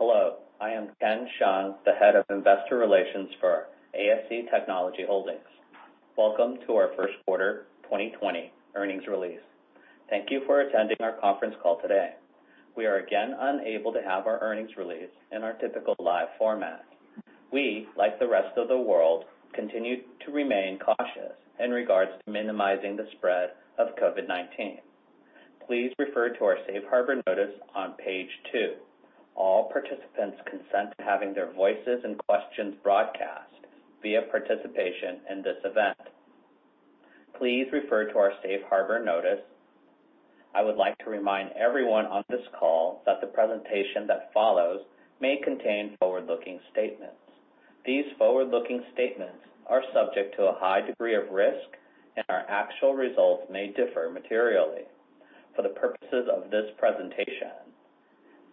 Hello, I am Ken Hsiang, the Head of Investor Relations for ASE Technology Holding. Welcome to our first quarter 2020 earnings release. Thank you for attending our conference call today. We are again unable to have our earnings release in our typical live format. We, like the rest of the world, continue to remain cautious in regards to minimizing the spread of COVID-19. Please refer to our safe harbor notice on page two. All participants consent to having their voices and questions broadcast via participation in this event. Please refer to our safe harbor notice. I would like to remind everyone on this call that the presentation that follows may contain forward-looking statements. These forward-looking statements are subject to a high degree of risk, and our actual results may differ materially. For the purposes of this presentation,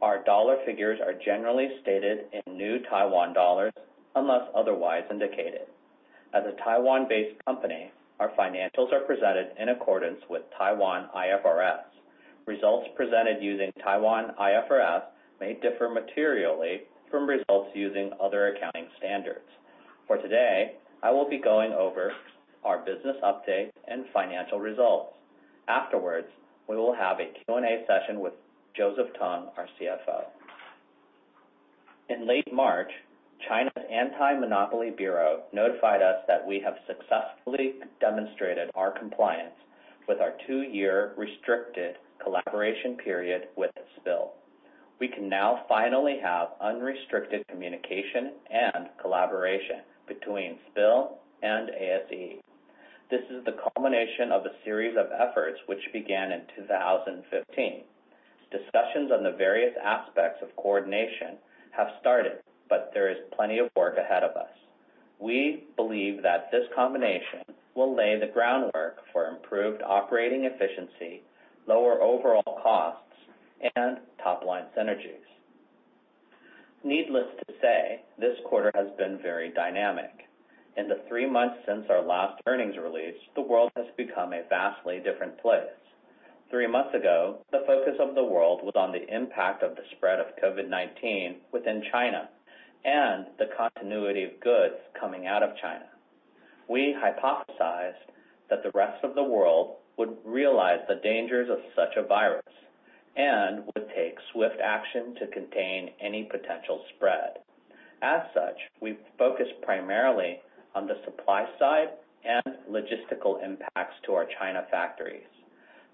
our dollar figures are generally stated in New Taiwan dollars, unless otherwise indicated. As a Taiwan-based company, our financials are presented in accordance with Taiwan IFRS. Results presented using Taiwan IFRS may differ materially from results using other accounting standards. For today, I will be going over our business update and financial results. Afterwards, we will have a Q&A session with Joseph Tung, our CFO. In late March, China's Anti-Monopoly Bureau notified us that we have successfully demonstrated our compliance with our two-year restricted collaboration period with SPIL. We can now finally have unrestricted communication and collaboration between SPIL and ASE. This is the culmination of a series of efforts which began in 2015. Discussions on the various aspects of coordination have started, but there is plenty of work ahead of us. We believe that this combination will lay the groundwork for improved operating efficiency, lower overall costs, and top-line synergies. Needless to say, this quarter has been very dynamic. In the three months since our last earnings release, the world has become a vastly different place. Three months ago, the focus of the world was on the impact of the spread of COVID-19 within China and the continuity of goods coming out of China. We hypothesized that the rest of the world would realize the dangers of such a virus and would take swift action to contain any potential spread. As such, we've focused primarily on the supply side and logistical impacts to our China factories.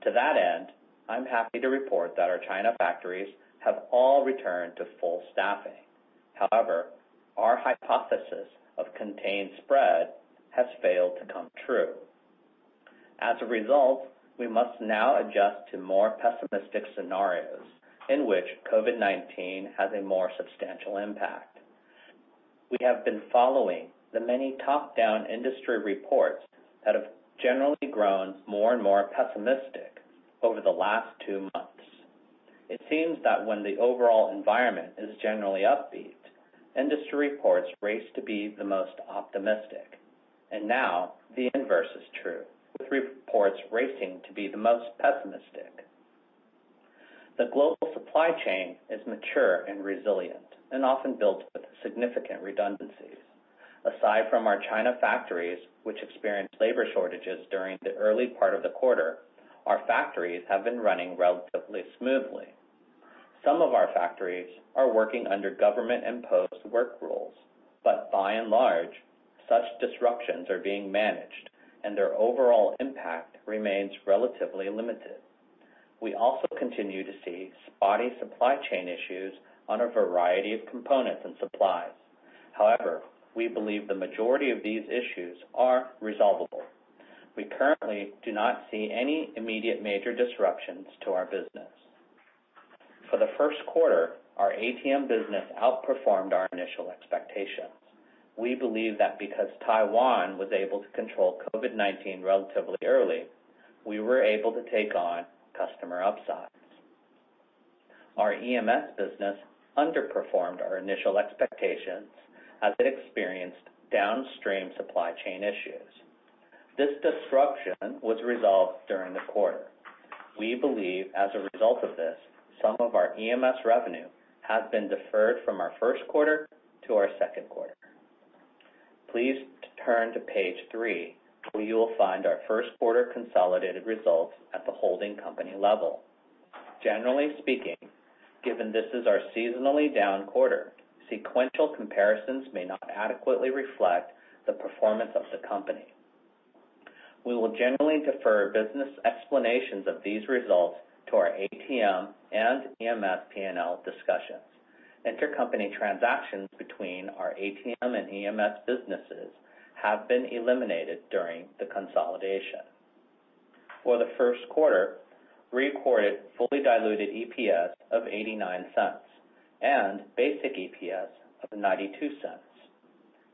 To that end, I'm happy to report that our China factories have all returned to full staffing. However, our hypothesis of contained spread has failed to come true. As a result, we must now adjust to more pessimistic scenarios in which COVID-19 has a more substantial impact. We have been following the many top-down industry reports that have generally grown more and more pessimistic over the last two months. It seems that when the overall environment is generally upbeat, industry reports race to be the most optimistic, and now the inverse is true, with reports racing to be the most pessimistic. The global supply chain is mature and resilient and often built with significant redundancies. Aside from our China factories, which experienced labor shortages during the early part of the quarter, our factories have been running relatively smoothly. Some of our factories are working under government-imposed work rules, but by and large, such disruptions are being managed, and their overall impact remains relatively limited. We also continue to see spotty supply chain issues on a variety of components and supplies. However, we believe the majority of these issues are resolvable. We currently do not see any immediate major disruptions to our business. For the first quarter, our ATM business outperformed our initial expectations. We believe that because Taiwan was able to control COVID-19 relatively early, we were able to take on customer upsides. Our EMS business underperformed our initial expectations as it experienced downstream supply chain issues. This disruption was resolved during the quarter. We believe, as a result of this, some of our EMS revenue has been deferred from our first quarter to our second quarter. Please turn to page three, where you will find our first quarter consolidated results at the holding company level. Generally speaking, given this is our seasonally down quarter, sequential comparisons may not adequately reflect the performance of the company. We will generally defer business explanations of these results to our ATM and EMS P&L discussions. Intercompany transactions between our ATM and EMS businesses have been eliminated during the consolidation. For the first quarter, we recorded fully diluted EPS of $0.89 and basic EPS of $0.92.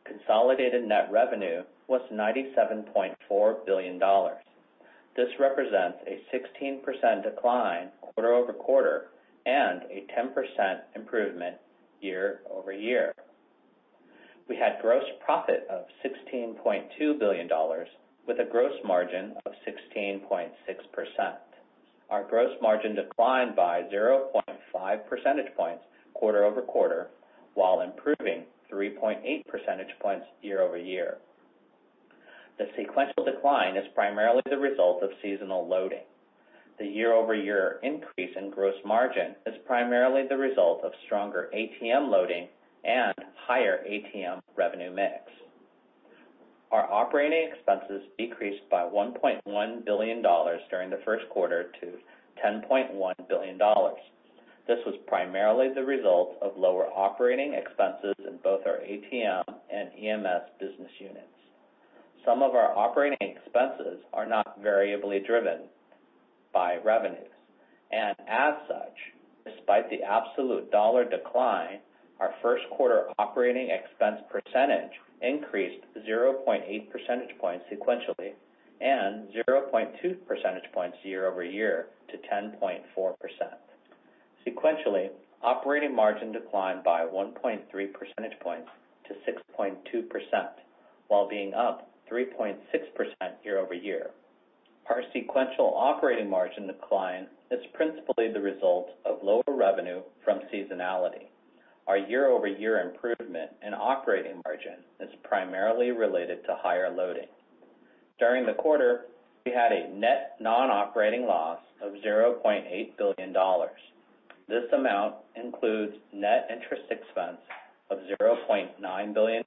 Consolidated net revenue was $97.4 billion. This represents a 16% decline quarter-over-quarter and a 10% improvement year-over-year. We had gross profit of $16.2 billion, with a gross margin of 16.6%. Our gross margin declined by 0.5 percentage points quarter-over-quarter, while improving 3.8 percentage points year-over-year. The sequential decline is primarily the result of seasonal loading. The year-over-year increase in gross margin is primarily the result of stronger ATM loading and higher ATM revenue mix. Our operating expenses decreased by $1.1 billion during the first quarter to $10.1 billion. This was primarily the result of lower operating expenses in both our ATM and EMS business units. Some of our operating expenses are not variably driven by revenues, and as such, despite the absolute dollar decline, our first quarter operating expense percentage increased 0.8 percentage points sequentially and 0.2 percentage points year-over-year to 10.4%. Sequentially, operating margin declined by 1.3 percentage points to 6.2%, while being up 3.6% year-over-year. Our sequential operating margin decline is principally the result of lower revenue from seasonality. Our year-over-year improvement in operating margin is primarily related to higher loading. During the quarter, we had a net non-operating loss of NTD 0.8 billion. This amount includes net interest expense of NTD 0.9 billion.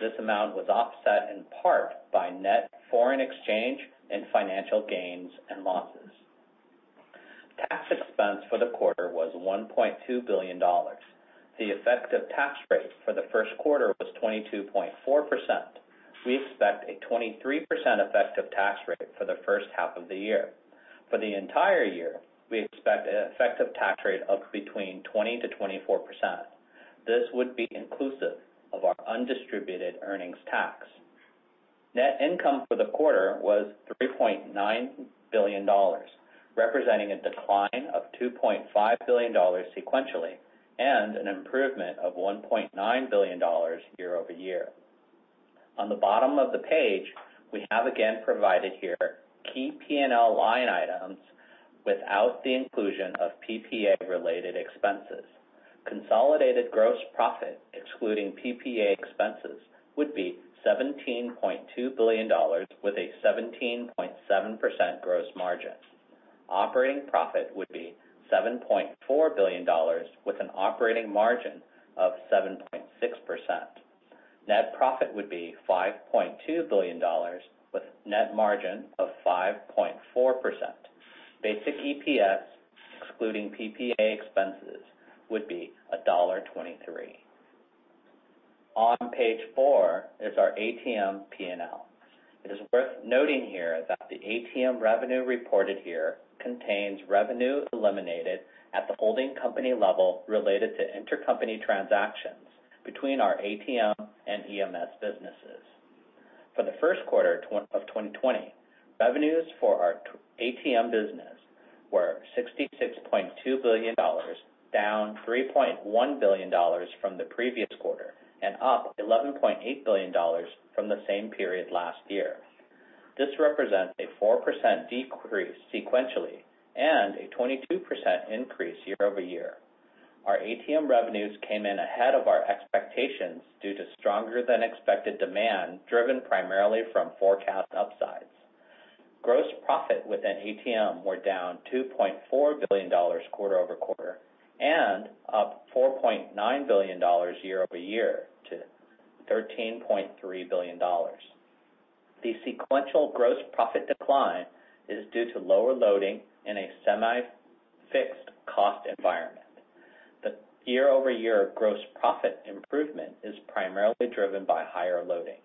This amount was offset in part by net foreign exchange and financial gains and losses. Tax expense for the quarter was NTD 1.2 billion. The effective tax rate for the first quarter was 22.4%. We expect a 23% effective tax rate for the first half of the year. For the entire year, we expect an effective tax rate of between 20%-24%. This would be inclusive of our undistributed earnings tax. Net income for the quarter was NTD 3.9 billion, representing a decline of NTD 2.5 billion sequentially, and an improvement of NTD 1.9 billion year-over-year. On the bottom of the page, we have again provided here key P&L line items without the inclusion of PPA-related expenses. Consolidated gross profit, excluding PPA expenses, would be $17.2 billion, with a 17.7% gross margin. Operating profit would be $7.4 billion, with an operating margin of 7.6%. Net profit would be $5.2 billion, with net margin of 5.4%. Basic EPS, excluding PPA expenses, would be $1.23. On Page 4 is our ATM P&L. It is worth noting here that the ATM revenue reported here contains revenue eliminated at the holding company level related to intercompany transactions between our ATM and EMS businesses. For the first quarter of 2020, revenues for our ATM business were $66.2 billion, down $3.1 billion from the previous quarter and up $11.8 billion from the same period last year. This represents a 4% decrease sequentially and a 22% increase year-over-year. Our ATM revenues came in ahead of our expectations due to stronger than expected demand, driven primarily from forecast upsides. Gross profit within ATM were down $2.4 billion quarter-over-quarter and up $4.9 billion year-over-year to $13.3 billion. The sequential gross profit decline is due to lower loading in a semi-fixed cost environment. The year-over-year gross profit improvement is primarily driven by higher loading.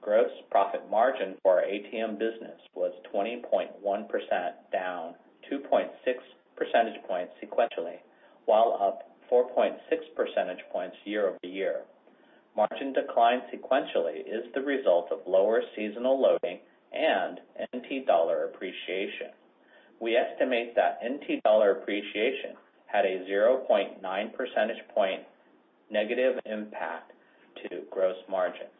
Gross profit margin for our ATM business was 20.1%, down 2.6 percentage points sequentially, while up 4.6 percentage points year-over-year. Margin decline sequentially is the result of lower seasonal loading and NT dollar appreciation. We estimate that NT dollar appreciation had a 0.9 percentage point negative impact to gross margins.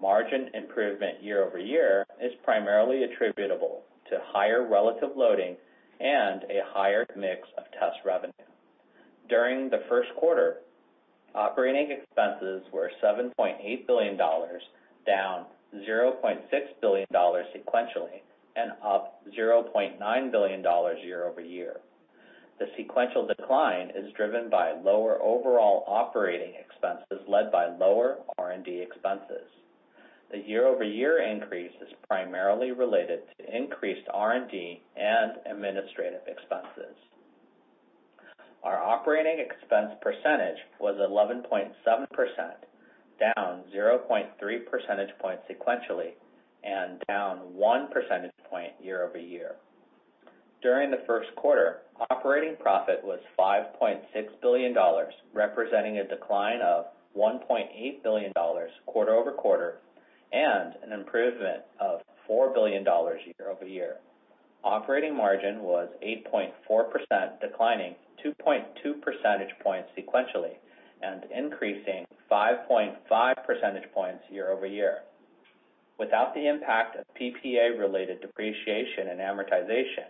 Margin improvement year-over-year is primarily attributable to higher relative loading and a higher mix of test revenue. During the first quarter, operating expenses were $7.8 billion, down $0.6 billion sequentially, and up $0.9 billion year-over-year. The sequential decline is driven by lower overall operating expenses, led by lower R&D expenses. The year-over-year increase is primarily related to increased R&D and administrative expenses. Our operating expense percentage was 11.7%, down 0.3 percentage points sequentially, and down 1 percentage point year-over-year. During the first quarter, operating profit was $5.6 billion, representing a decline of $1.8 billion quarter-over-quarter, and an improvement of $4 billion year-over-year. Operating margin was 8.4%, declining 2.2 percentage points sequentially, and increasing 5.5 percentage points year-over-year. Without the impact of PPA-related depreciation and amortization,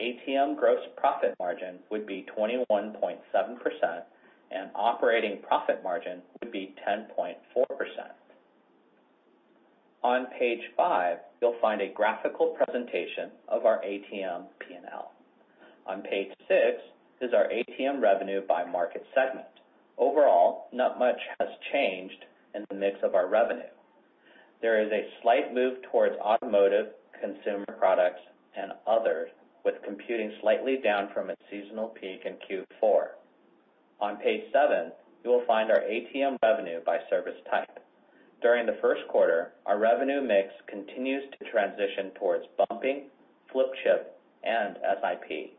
ATM gross profit margin would be 21.7%, and operating profit margin would be 10.4%. On page five, you'll find a graphical presentation of our ATM P&L. On page six is our ATM revenue by market segment. Overall, not much has changed in the mix of our revenue. There is a slight move towards automotive, consumer products, and other, with computing slightly down from its seasonal peak in Q4. On page seven, you will find our ATM revenue by service type. During the first quarter, our revenue mix continues to transition towards bumping, flip chip, and SiP.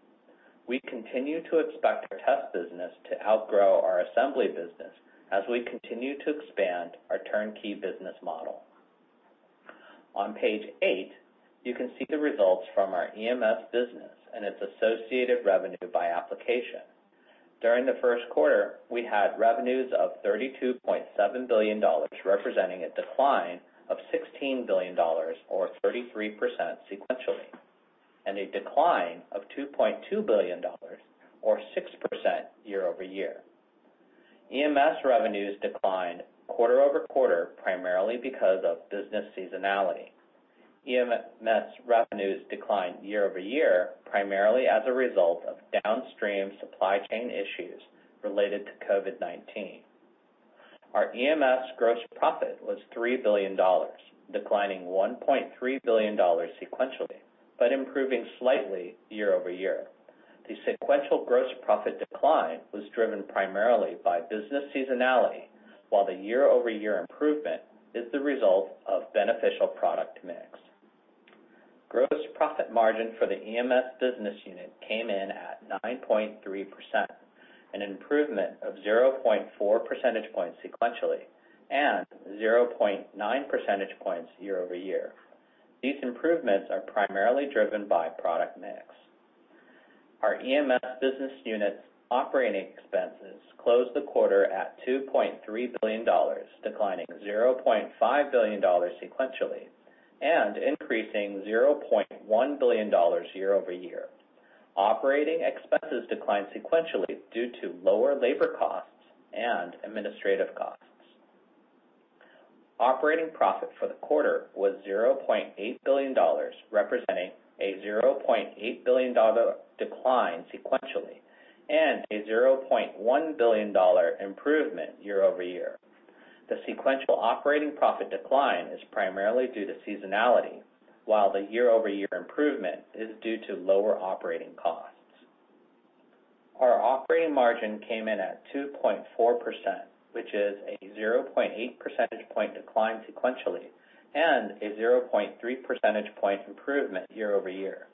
We continue to expect our test business to outgrow our assembly business as we continue to expand our turnkey business model. On page eight, you can see the results from our EMS business and its associated revenue by application. During the first quarter, we had revenues of $32.7 billion, representing a decline of $16 billion, or 33% sequentially, and a decline of $2.2 billion, or 6% year-over-year. EMS revenues declined quarter-over-quarter, primarily because of business seasonality. EMS revenues declined year-over-year, primarily as a result of downstream supply chain issues related to COVID-19. Our EMS gross profit was $3 billion, declining $1.3 billion sequentially, but improving slightly year-over-year. The sequential gross profit decline was driven primarily by business seasonality, while the year-over-year improvement is the result of beneficial product mix. Gross profit margin for the EMS business unit came in at 9.3%, an improvement of 0.4 percentage points sequentially, and 0.9 percentage points year-over-year. These improvements are primarily driven by product mix. Our EMS business unit's operating expenses closed the quarter at $2.3 billion, declining $0.5 billion sequentially, and increasing $0.1 billion year-over-year. Operating expenses declined sequentially due to lower labor costs and administrative costs. Operating profit for the quarter was $0.8 billion, representing a $0.8 billion decline sequentially, and a $0.1 billion improvement year-over-year. The sequential operating profit decline is primarily due to seasonality, while the year-over-year improvement is due to lower operating costs. Our operating margin came in at 2.4%, which is a 0.8 percentage point decline sequentially, and a 0.3 percentage point improvement year-over-year.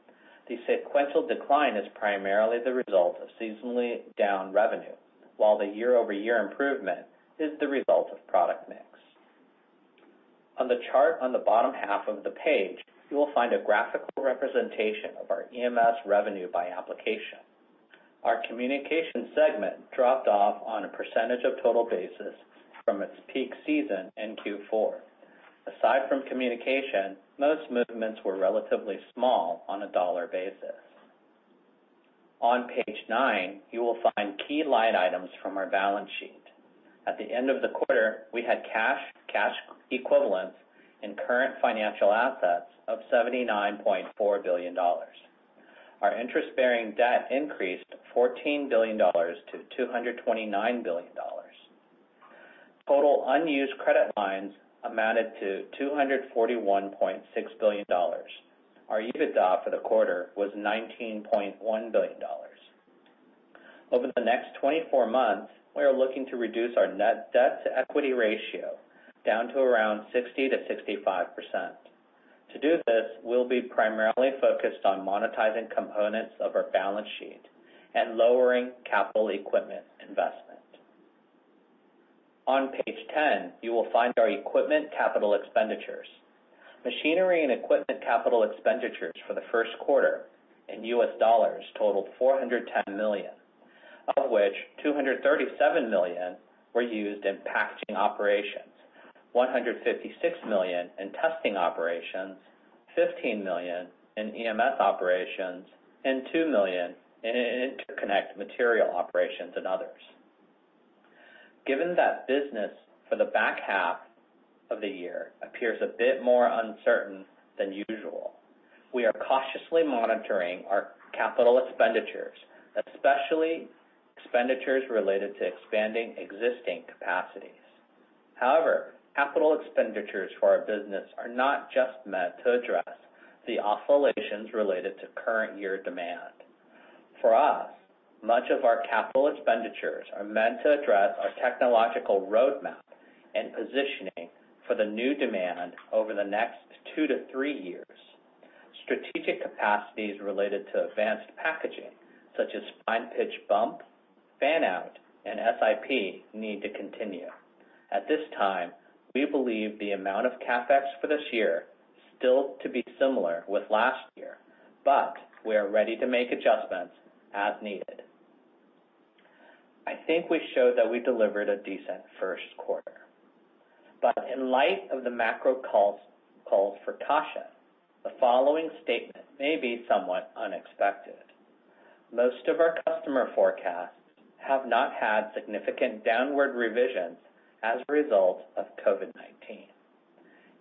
The sequential decline is primarily the result of seasonally down revenue, while the year-over-year improvement is the result of product mix. On the chart on the bottom half of the page, you will find a graphical representation of our EMS revenue by application. Our communication segment dropped off on a percentage of total basis from its peak season in Q4. Aside from communication, most movements were relatively small on a dollar basis. On page nine, you will find key line items from our balance sheet. At the end of the quarter, we had cash, cash equivalents, and current financial assets of $79.4 billion. Our interest-bearing debt increased $14 billion to $229 billion. Total unused credit lines amounted to $241.6 billion. Our EBITDA for the quarter was $19.1 billion. Over the next 24 months, we are looking to reduce our net debt-to-equity ratio down to around 60%-65%. To do this, we'll be primarily focused on monetizing components of our balance sheet and lowering capital equipment investment. On page ten, you will find our equipment capital expenditures. Machinery and equipment capital expenditures for the first quarter in US dollars totaled $410 million, of which $237 million were used in packaging operations, $156 million in testing operations, $15 million in EMS operations, and $2 million in interconnect material operations and others. Given that business for the back half of the year appears a bit more uncertain than usual, we are cautiously monitoring our capital expenditures, especially expenditures related to expanding existing capacities. However, capital expenditures for our business are not just meant to address the oscillations related to current year demand. For us, much of our capital expenditures are meant to address our technological roadmap and positioning for the new demand over the next two to three years. Strategic capacities related to advanced packaging, such as fine pitch bumping, fan-out, and SiP, need to continue. At this time, we believe the amount of CapEx for this year still to be similar with last year, but we are ready to make adjustments as needed. I think we showed that we delivered a decent first quarter. But in light of the macro calls, calls for caution, the following statement may be somewhat unexpected. Most of our customer forecasts have not had significant downward revisions as a result of COVID-19,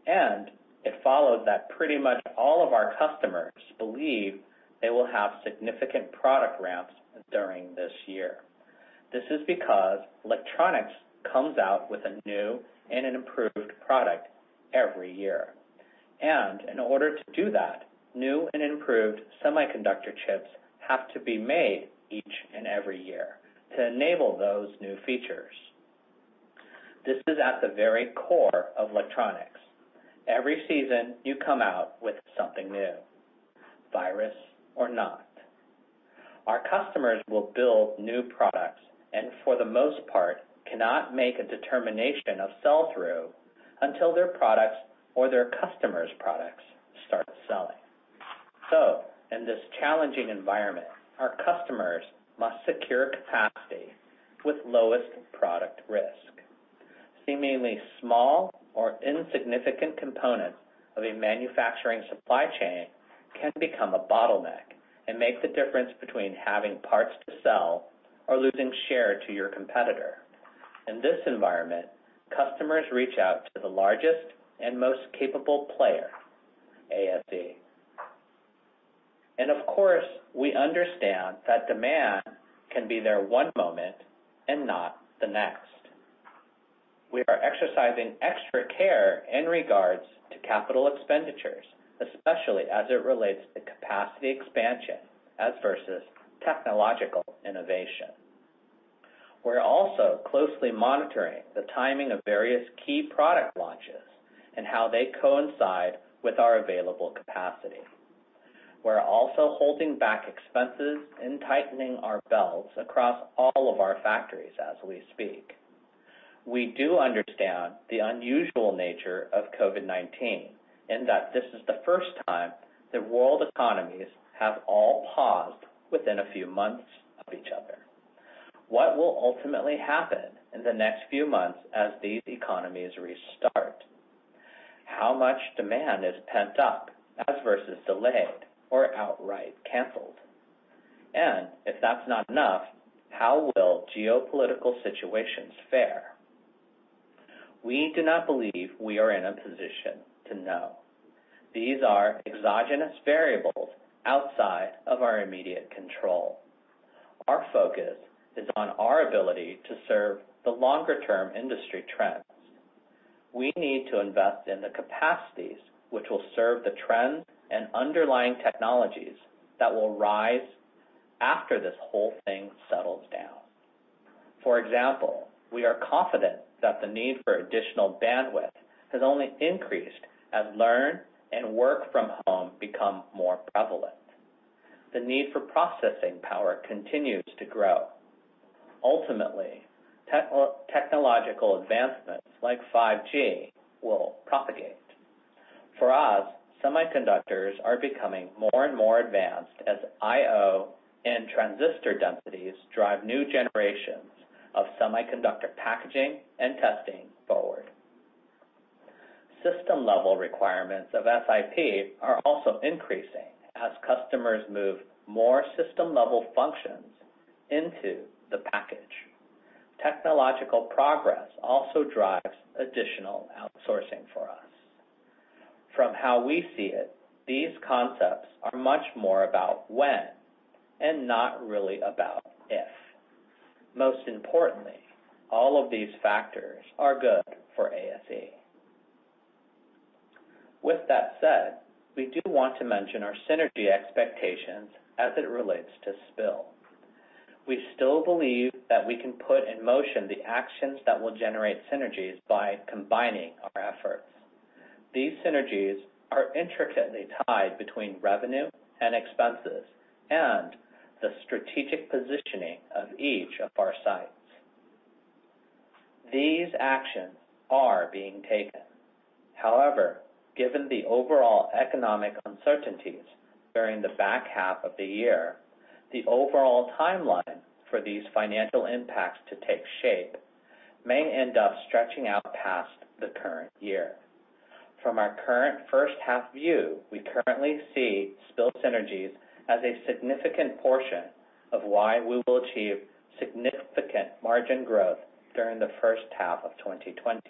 and it followed that pretty much all of our customers believe they will have significant product ramps during this year. This is because electronics comes out with a new and an improved product every year, and in order to do that, new and improved semiconductor chips have to be made each and every year to enable those new features. This is at the very core of electronics. Every season, you come out with something new, virus or not. Our customers will build new products, and for the most part, cannot make a determination of sell-through until their products or their customers' products start selling. So in this challenging environment, our customers must secure capacity with lowest product risk. Seemingly small or insignificant components of a manufacturing supply chain can become a bottleneck and make the difference between having parts to sell or losing share to your competitor. In this environment, customers reach out to the largest and most capable player, ASE. And of course, we understand that demand can be there one moment and not the next. We are exercising extra care in regards to capital expenditures, especially as it relates to capacity expansion as versus technological innovation. We're also closely monitoring the timing of various key product launches and how they coincide with our available capacity. We're also holding back expenses and tightening our belts across all of our factories as we speak. We do understand the unusual nature of COVID-19, in that this is the first time that world economies have all paused within a few months of each other. What will ultimately happen in the next few months as these economies restart? How much demand is pent up as versus delayed or outright canceled? And if that's not enough, how will geopolitical situations fare? We do not believe we are in a position to know. These are exogenous variables outside of our immediate control. Our focus is on our ability to serve the longer-term industry trends. We need to invest in the capacities which will serve the trends and underlying technologies that will rise after this whole thing settles down. For example, we are confident that the need for additional bandwidth has only increased as learn and work from home become more prevalent. The need for processing power continues to grow. Ultimately, technological advancements like 5G will propagate. For us, semiconductors are becoming more and more advanced as I/O and transistor densities drive new generations of semiconductor packaging and testing forward. System-level requirements of SiP are also increasing as customers move more system-level functions into the package. Technological progress also drives additional outsourcing for us. From how we see it, these concepts are much more about when and not really about if. Most importantly, all of these factors are good for ASE. With that said, we do want to mention our synergy expectations as it relates to SPIL. We still believe that we can put in motion the actions that will generate synergies by combining our efforts. These synergies are intricately tied between revenue and expenses and the strategic positioning of each of our sites. These actions are being taken. However, given the overall economic uncertainties during the back half of the year, the overall timeline for these financial impacts to take shape may end up stretching out past the current year. From our current first half view, we currently see SPIL synergies as a significant portion of why we will achieve significant margin growth during the first half of 2020.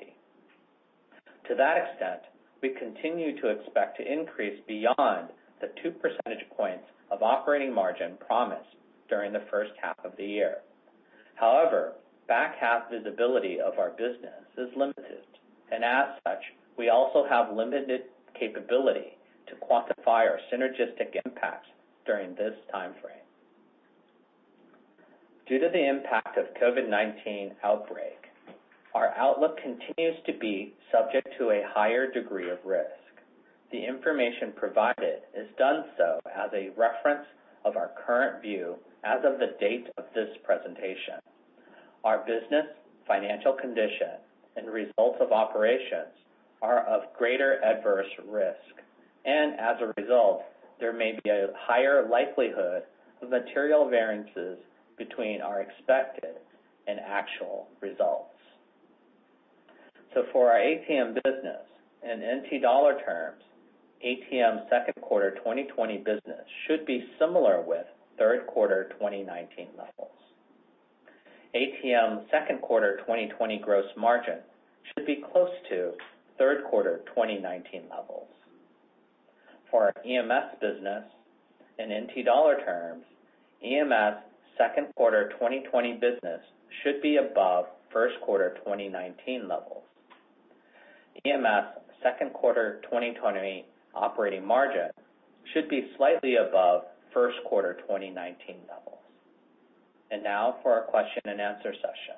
To that extent, we continue to expect to increase beyond the two percentage points of operating margin promised during the first half of the year. However, back half visibility of our business is limited, and as such, we also have limited capability to quantify our synergistic impacts during this time frame. Due to the impact of COVID-19 outbreak, our outlook continues to be subject to a higher degree of risk. The information provided is done so as a reference of our current view as of the date of this presentation. Our business, financial condition, and results of operations are of greater adverse risk, and as a result, there may be a higher likelihood of material variances between our expected and actual results. So for our ATM business, in NTD terms, ATM's second quarter 2020 business should be similar with third quarter 2019 levels. ATM's second quarter 2020 gross margin should be close to third quarter 2019 levels. For our EMS business, in NT dollar terms, EMS' second quarter 2020 business should be above first quarter 2019 levels. EMS' second quarter 2020 operating margin should be slightly above first quarter 2019 levels. Now for our question-and-answer session.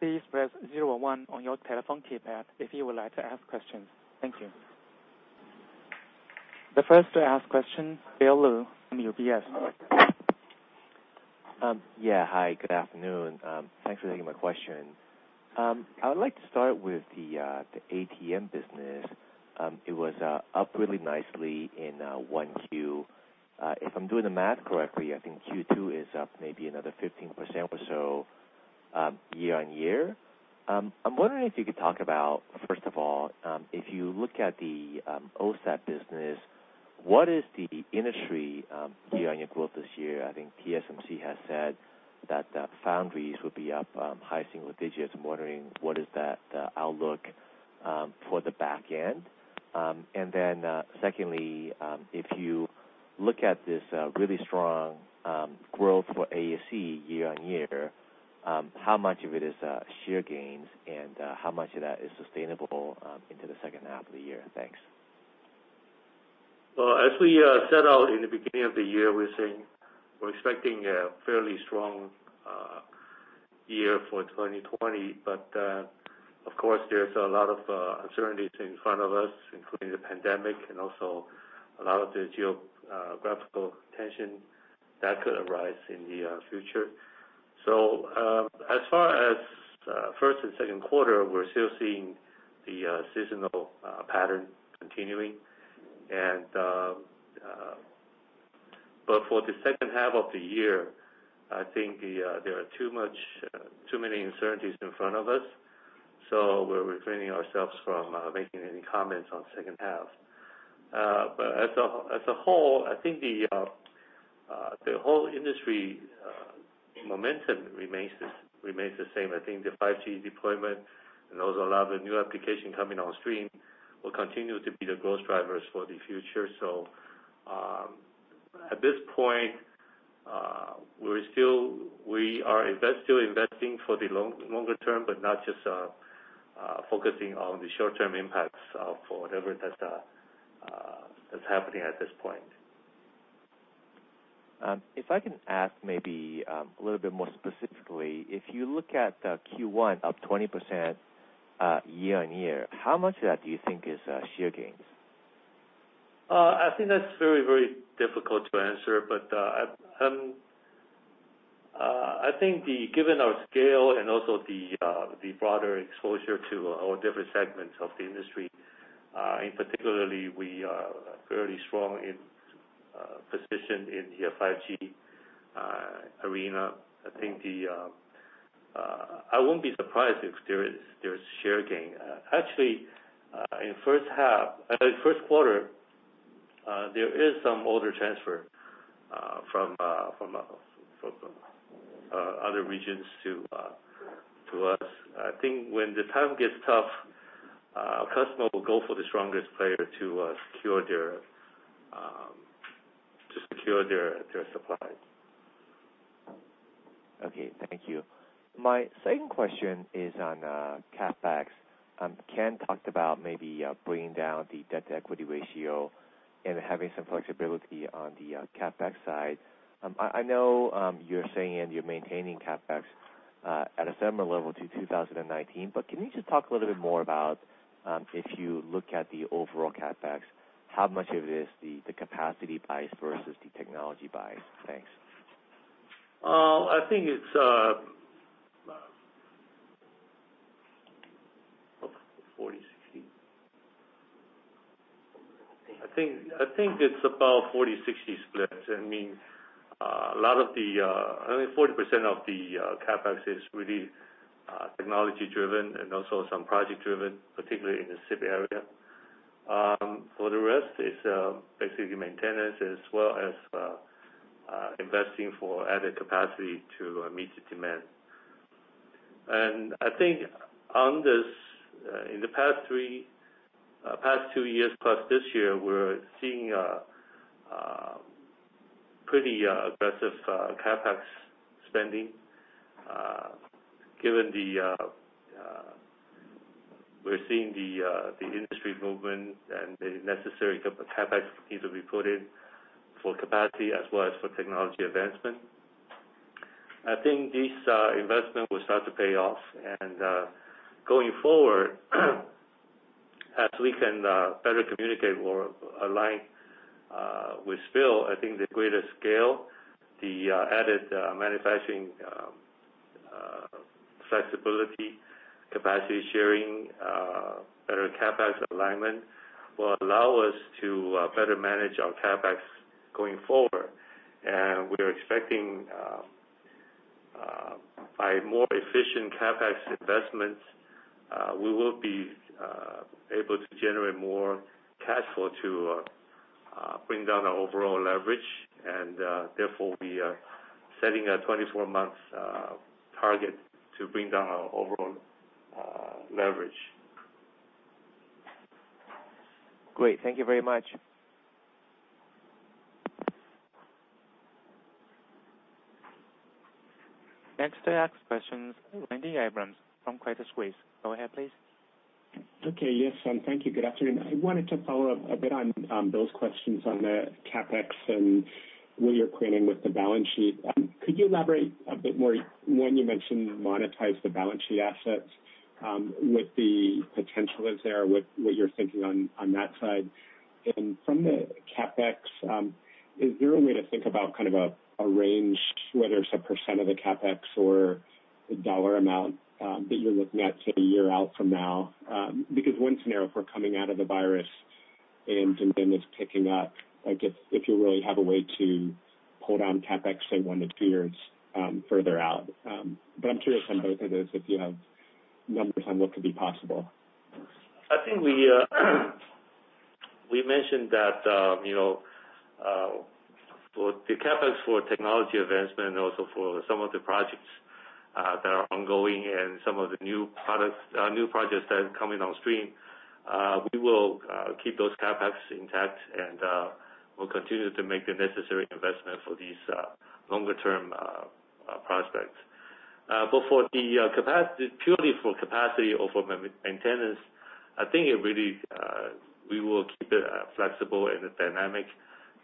Please press zero one on your telephone keypad if you would like to ask questions. Thank you. The first to ask question, Bill Lu from UBS. Yeah. Hi, good afternoon. Thanks for taking my question. I would like to start with the ATM business. It was up really nicely in 1Q. If I'm doing the math correctly, I think Q2 is up maybe another 15% or so, year-on-year. I'm wondering if you could talk about, first of all, if you look at the OSAT business, what is the industry year-on-year growth this year? I think TSMC has said that the foundries will be up high single digits. I'm wondering, what is that outlook for the back end? And then, secondly, if you look at this really strong growth for ASE year-on-year, how much of it is share gains, and how much of that is sustainable into the second half of the year? Thanks. Well, as we set out in the beginning of the year, we're saying we're expecting a fairly strong year for 2020. But of course, there's a lot of uncertainties in front of us, including the pandemic and also a lot of the geographical tension that could arise in the future. So, as far as first and second quarter, we're still seeing the seasonal pattern continuing. But for the second half of the year, I think there are too many uncertainties in front of us, so we're refraining ourselves from making any comments on second half. But as a whole, I think the whole industry momentum remains the same. I think the 5G deployment and also a lot of the new application coming on stream will continue to be the growth drivers for the future. So, at this point, we're still investing for the longer term, but not just focusing on the short-term impacts, for whatever that is happening at this point. If I can ask maybe a little bit more specifically. If you look at Q1, up 20%, year-on-year, how much of that do you think is share gains? I think that's very, very difficult to answer, but I think the--given our scale and also the broader exposure to our different segments of the industry, particularly, we are fairly strong in position in the 5G arena. I think I won't be surprised if there is share gain. Actually, in first half, in first quarter, there is some order transfer from other regions to us. I think when the time gets tough, customer will go for the strongest player to secure their supplies. Okay. Thank you. My second question is on CapEx. Ken talked about maybe bringing down the debt-to-equity ratio and having some flexibility on the CapEx side. I know you're saying, and you're maintaining CapEx at a similar level to 2019, but can you just talk a little bit more about if you look at the overall CapEx, how much of it is the capacity buys versus the technology buys? Thanks. I think it's... 40-60. I think, I think it's about 40-60 split. I mean, a lot of the, I think 40% of the CapEx is really technology driven and also some project driven, particularly in the SiP area. For the rest, it's basically maintenance as well as investing for added capacity to meet the demand. And I think on this, in the past two years plus this year, we're seeing a pretty aggressive CapEx spending. Given the, we're seeing the the industry movement and the necessary CapEx needs to be put in for capacity as well as for technology advancement.... I think this investment will start to pay off. Going forward, as we can better communicate or align with SPIL, I think the greater scale, the added manufacturing flexibility, capacity sharing, better CapEx alignment, will allow us to better manage our CapEx going forward. We are expecting, by more efficient CapEx investments, we will be able to generate more cash flow to bring down our overall leverage. Therefore, we are setting a 24-month target to bring down our overall leverage. Great, thank you very much. Next to ask questions, Randy Abrams from Credit Suisse. Go ahead, please. Okay, yes, and thank you. Good afternoon. I wanted to follow up a bit on those questions on the CapEx and what you're creating with the balance sheet. Could you elaborate a bit more, when you mentioned monetize the balance sheet assets, what the potential is there, what, what you're thinking on, on that side? And from the CapEx, is there a way to think about kind of a, a range, whether it's a % of the CapEx or a dollar amount, that you're looking at, say, a year out from now? Because one scenario for coming out of the virus and demand is picking up, I guess, if you really have a way to pull down CapEx, say, 1-2 years, further out. But I'm curious on both of those, if you have numbers on what could be possible. I think we mentioned that, you know, for the CapEx, for technology advancement, and also for some of the projects that are ongoing and some of the new products, new projects that are coming on stream, we will keep those CapEx intact, and we'll continue to make the necessary investment for these longer term prospects. But for the capacity - purely for capacity or for main - maintenance, I think it really, we will keep it flexible and dynamic,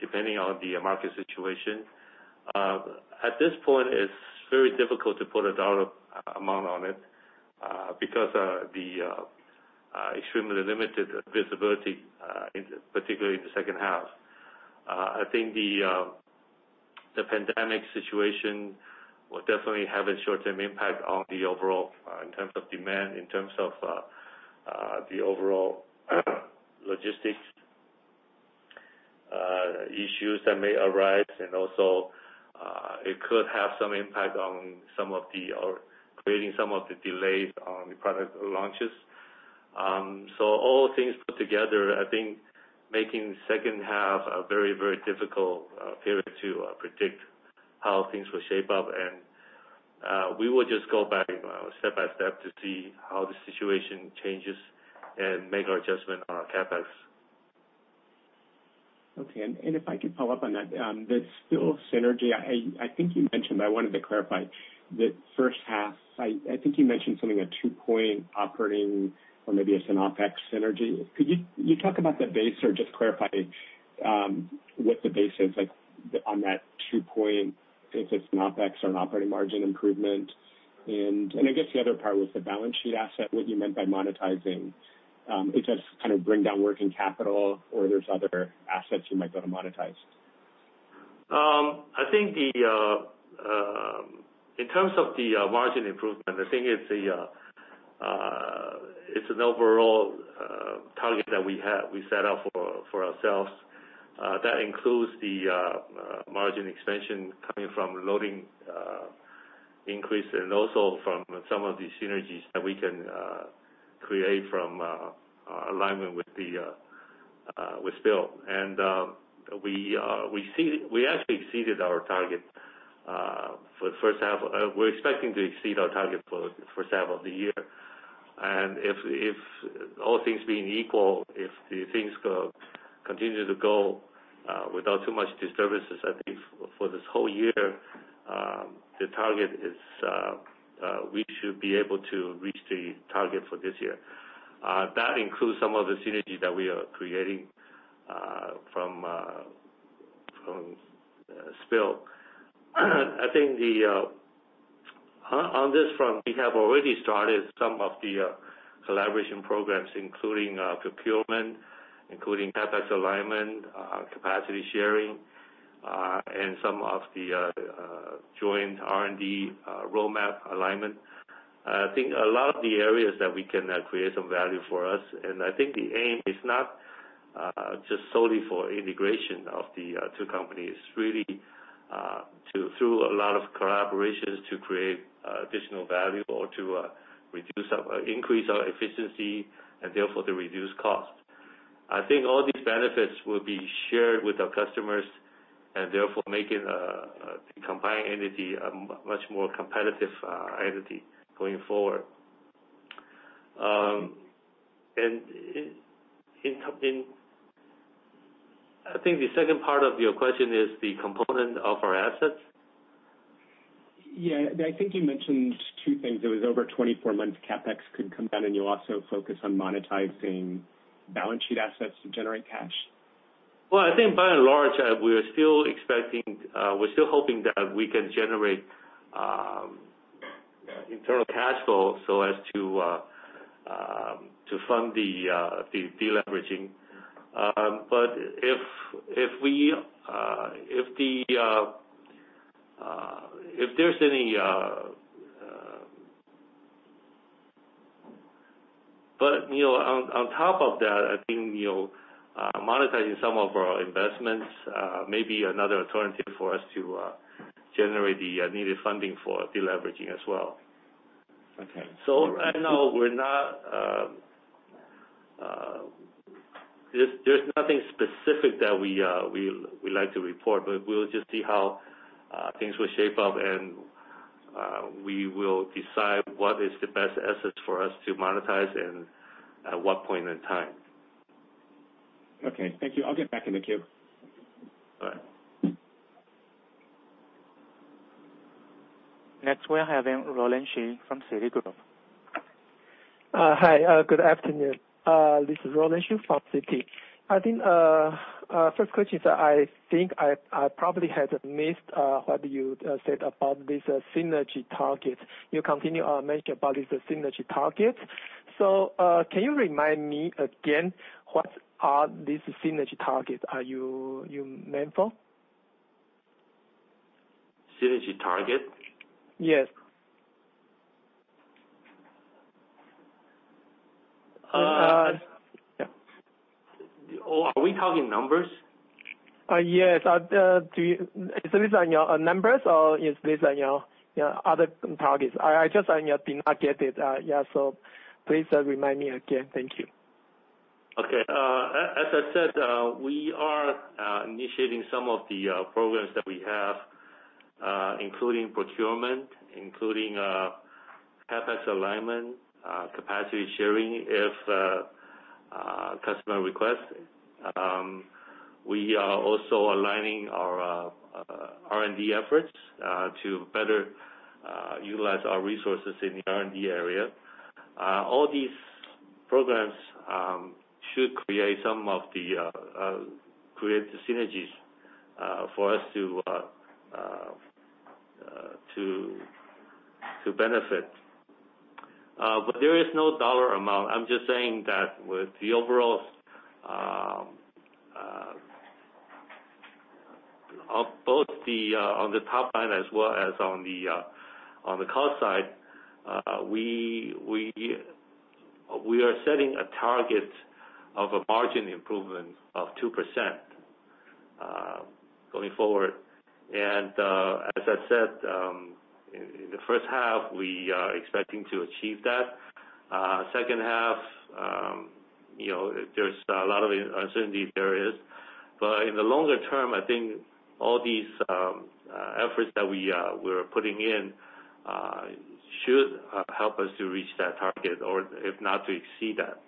depending on the market situation. At this point, it's very difficult to put a dollar amount on it, because the extremely limited visibility, particularly in the second half. I think the pandemic situation will definitely have a short-term impact on the overall, in terms of demand, in terms of the overall logistics issues that may arise. And also, it could have some impact on some of the, or creating some of the delays on the product launches. So all things put together, I think, making second half a very, very difficult period to predict how things will shape up. And we will just go back step by step to see how the situation changes and make our adjustment on our CapEx. Okay, if I could follow up on that, the SPIL synergy. I think you mentioned, but I wanted to clarify. The first half, I think you mentioned something, a 2-point operating or maybe it's an OpEx synergy. Could you talk about the base or just clarify what the base is like on that 2-point, if it's an OpEx or an operating margin improvement? And I guess the other part was the balance sheet asset, what you meant by monetizing. It just kind of bring down working capital or there's other assets you might go to monetize. I think in terms of the margin improvement, I think it's an overall target that we have, we set out for ourselves. That includes the margin extension coming from loading increase and also from some of the synergies that we can create from alignment with SPIL. And we actually exceeded our target for the first half. We're expecting to exceed our target for the first half of the year. And if all things being equal, if the things continue to go without too much disturbances, I think for this whole year, the target is we should be able to reach the target for this year. That includes some of the synergy that we are creating from SPIL. I think the... On this front, we have already started some of the collaboration programs, including procurement, including CapEx alignment, capacity sharing, and some of the joint R&D roadmap alignment. I think a lot of the areas that we can create some value for us, and I think the aim is not just solely for integration of the two companies. It's really to through a lot of collaborations to create additional value or to reduce our increase our efficiency and therefore to reduce cost. I think all these benefits will be shared with our customers, and therefore making the combined entity a much more competitive entity going forward. And in, in, in... I think the second part of your question is the component of our assets. Yeah, I think you mentioned two things. It was over 24 months, CapEx could come down, and you'll also focus on monetizing balance sheet assets to generate cash?... Well, I think by and large, we are still expecting, we're still hoping that we can generate internal cash flow so as to fund the deleveraging. But if there's any... But, you know, on top of that, I think, you know, monetizing some of our investments may be another alternative for us to generate the needed funding for deleveraging as well. Okay. So right now, there's nothing specific that we'd like to report, but we'll just see how things will shape up, and we will decide what is the best assets for us to monetize and at what point in time. Okay, thank you. I'll get back in the queue. Bye. Next, we're having Roland Shu from Citigroup. Hi, good afternoon. This is Roland Shu from Citi. I think first question is. I think I probably had missed what you said about this synergy target. You continue mention about this synergy target. So, can you remind me again, what are these synergy targets you meant for? Synergy target? Yes. Yeah. Are we talking numbers? Yes, is this on your numbers or is this on your other targets? I just did not get it. Yeah, so please remind me again. Thank you. Okay. As I said, we are initiating some of the programs that we have, including procurement, including CapEx alignment, capacity sharing, if customer requests. We are also aligning our R&D efforts to better utilize our resources in the R&D area. All these programs should create the synergies for us to benefit. But there is no dollar amount. I'm just saying that with the overall of both the on the top line, as well as on the cost side, we are setting a target of a margin improvement of 2% going forward. And as I said, in the first half, we are expecting to achieve that. Second half, you know, there's a lot of uncertainty there is. But in the longer term, I think all these efforts that we're putting in should help us to reach that target or if not, to exceed that.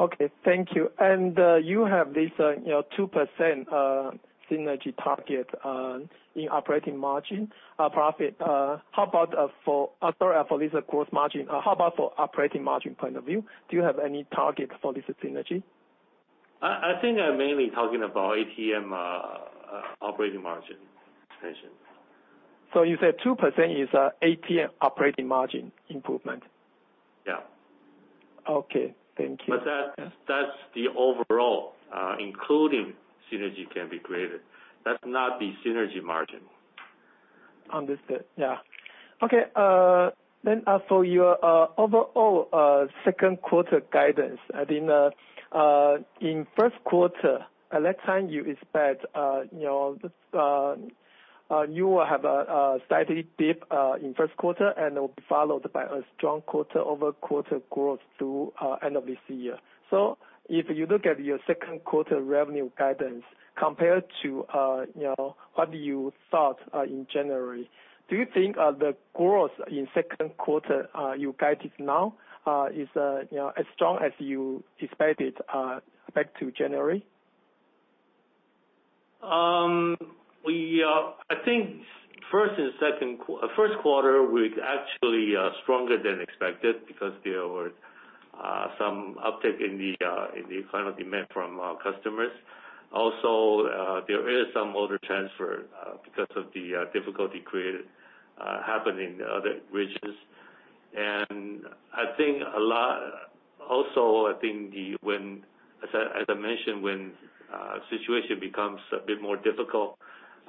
Okay, thank you. And, you have this, you know, 2% synergy target in operating margin, profit. How about, for, sorry, for this gross margin, how about for operating margin point of view? Do you have any target for this synergy? I think I'm mainly talking about ATM, operating margin, Roland. You said 2% is ATM operating margin improvement? Yeah. Okay, thank you. But that, that's the overall, including synergy can be created. That's not the synergy margin. Understood. Yeah. Okay, then, for your overall second quarter guidance, I think, in first quarter, at that time, you expect, you know, you will have a slight dip in first quarter, and it will be followed by a strong quarter-over-quarter growth through end of this year. So if you look at your second quarter revenue guidance compared to, you know, what you thought in January, do you think the growth in second quarter you guided now is, you know, as strong as you expected back to January? I think first quarter, we're actually stronger than expected because there were some uptick in the final demand from our customers. Also, there is some order transfer because of the difficulty created happening in other regions. And I think a lot, also, I think the, when, as I, as I mentioned, when situation becomes a bit more difficult,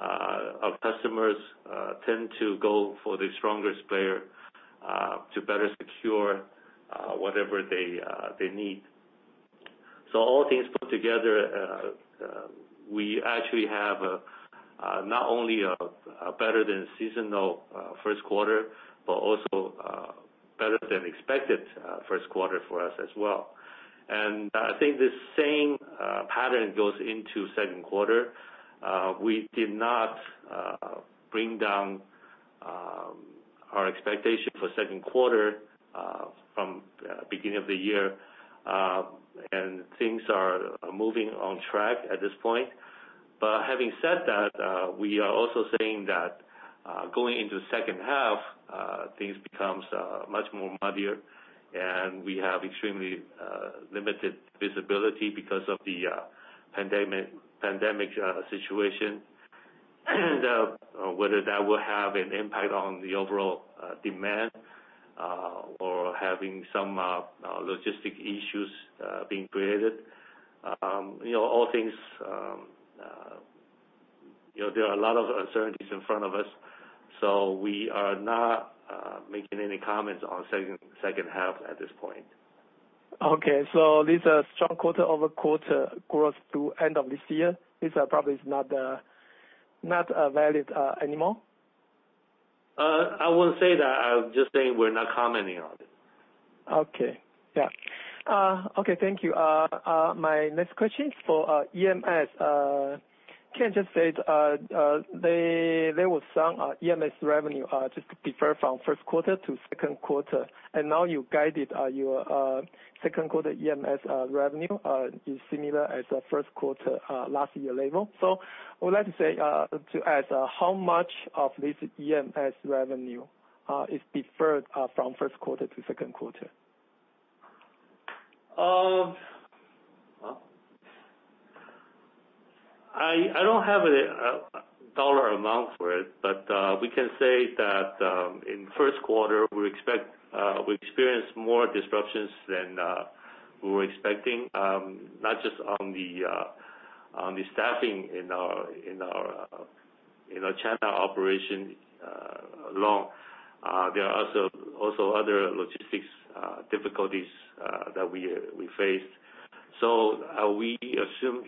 our customers tend to go for the strongest player to better secure whatever they need. So all things put together, we actually have a not only a better than seasonal first quarter, but also better than expected first quarter for us as well. And I think the same pattern goes into second quarter. We did not bring down our expectation for second quarter from beginning of the year, and things are moving on track at this point. But having said that, we are also saying that going into the second half, things becomes much more muddier, and we have extremely limited visibility because of the pandemic situation. And whether that will have an impact on the overall demand or having some logistic issues being created. You know, all things, you know, there are a lot of uncertainties in front of us, so we are not making any comments on second half at this point. Okay. So, is this a strong quarter-over-quarter growth through the end of this year? This probably is not valid anymore? I wouldn't say that. I would just say we're not commenting on it. Okay. Yeah. Okay, thank you. My next question is for EMS. Can I just say, there were some EMS revenue just deferred from first quarter to second quarter, and now you guided your second quarter EMS revenue is similar as the first quarter last year level. So I would like to say to ask, how much of this EMS revenue is deferred from first quarter to second quarter? Huh. I don't have a dollar amount for it, but we can say that in first quarter, we expect we experienced more disruptions than we were expecting. Not just on the staffing in our China operation alone. There are also other logistics difficulties that we faced. So we assume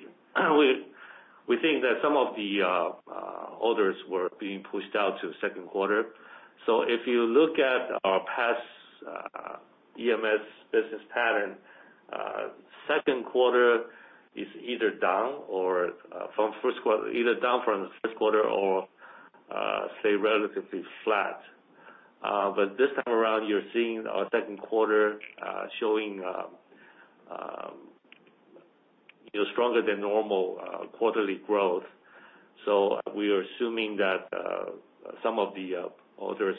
we think that some of the orders were being pushed out to second quarter. So if you look at our past EMS business pattern, second quarter is either down or from first quarter—either down from the first quarter or stay relatively flat. But this time around, you're seeing our second quarter showing, you know, stronger than normal quarterly growth. So we are assuming that some of the orders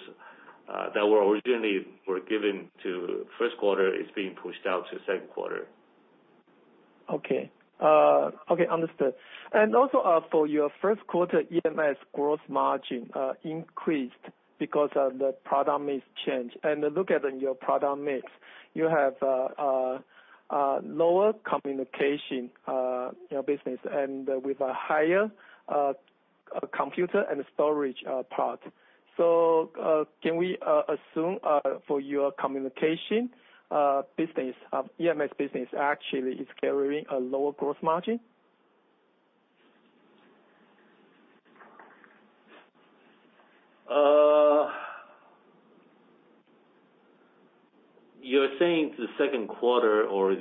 that were originally given to first quarter are being pushed out to second quarter. Okay. Okay, understood. And also, for your first quarter EMS gross margin, increased because of the product mix change. And look at your product mix, you have a lower communication, you know, business and with a higher computer and storage part. So, can we assume for your communication business, EMS business actually is carrying a lower growth margin? You're saying the second quarter or?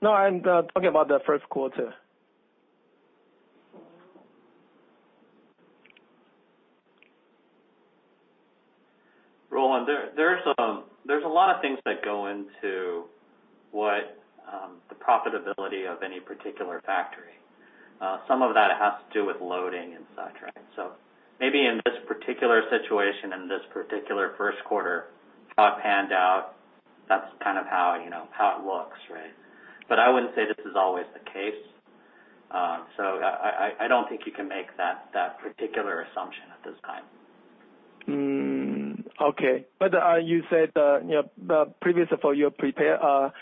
No, I'm talking about the first quarter. Roland, there's a lot of things that go into what the profitability of any particular factory. Some of that has to do with loading and such, right? So maybe in this particular situation, in this particular first quarter, how it panned out, that's kind of how, you know, how it looks, right? But I wouldn't say this is always the case. So I don't think you can make that particular assumption at this time. Mm. Okay. But you said, you know, previously for your prepare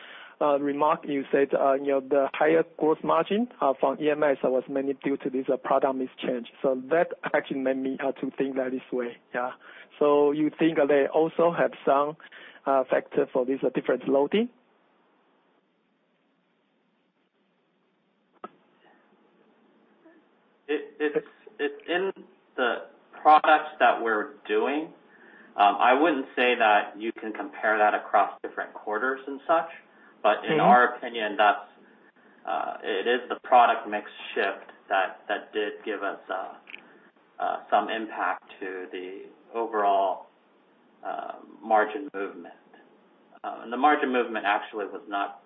remark, you said, you know, the higher growth margin from EMS was mainly due to this product mix change. So that actually made me to think that this way. Yeah. So you think they also have some factor for this different loading? In the products that we're doing, I wouldn't say that you can compare that across different quarters and such. Okay. But in our opinion, it is the product mix shift that did give us some impact to the overall margin movement. And the margin movement actually was not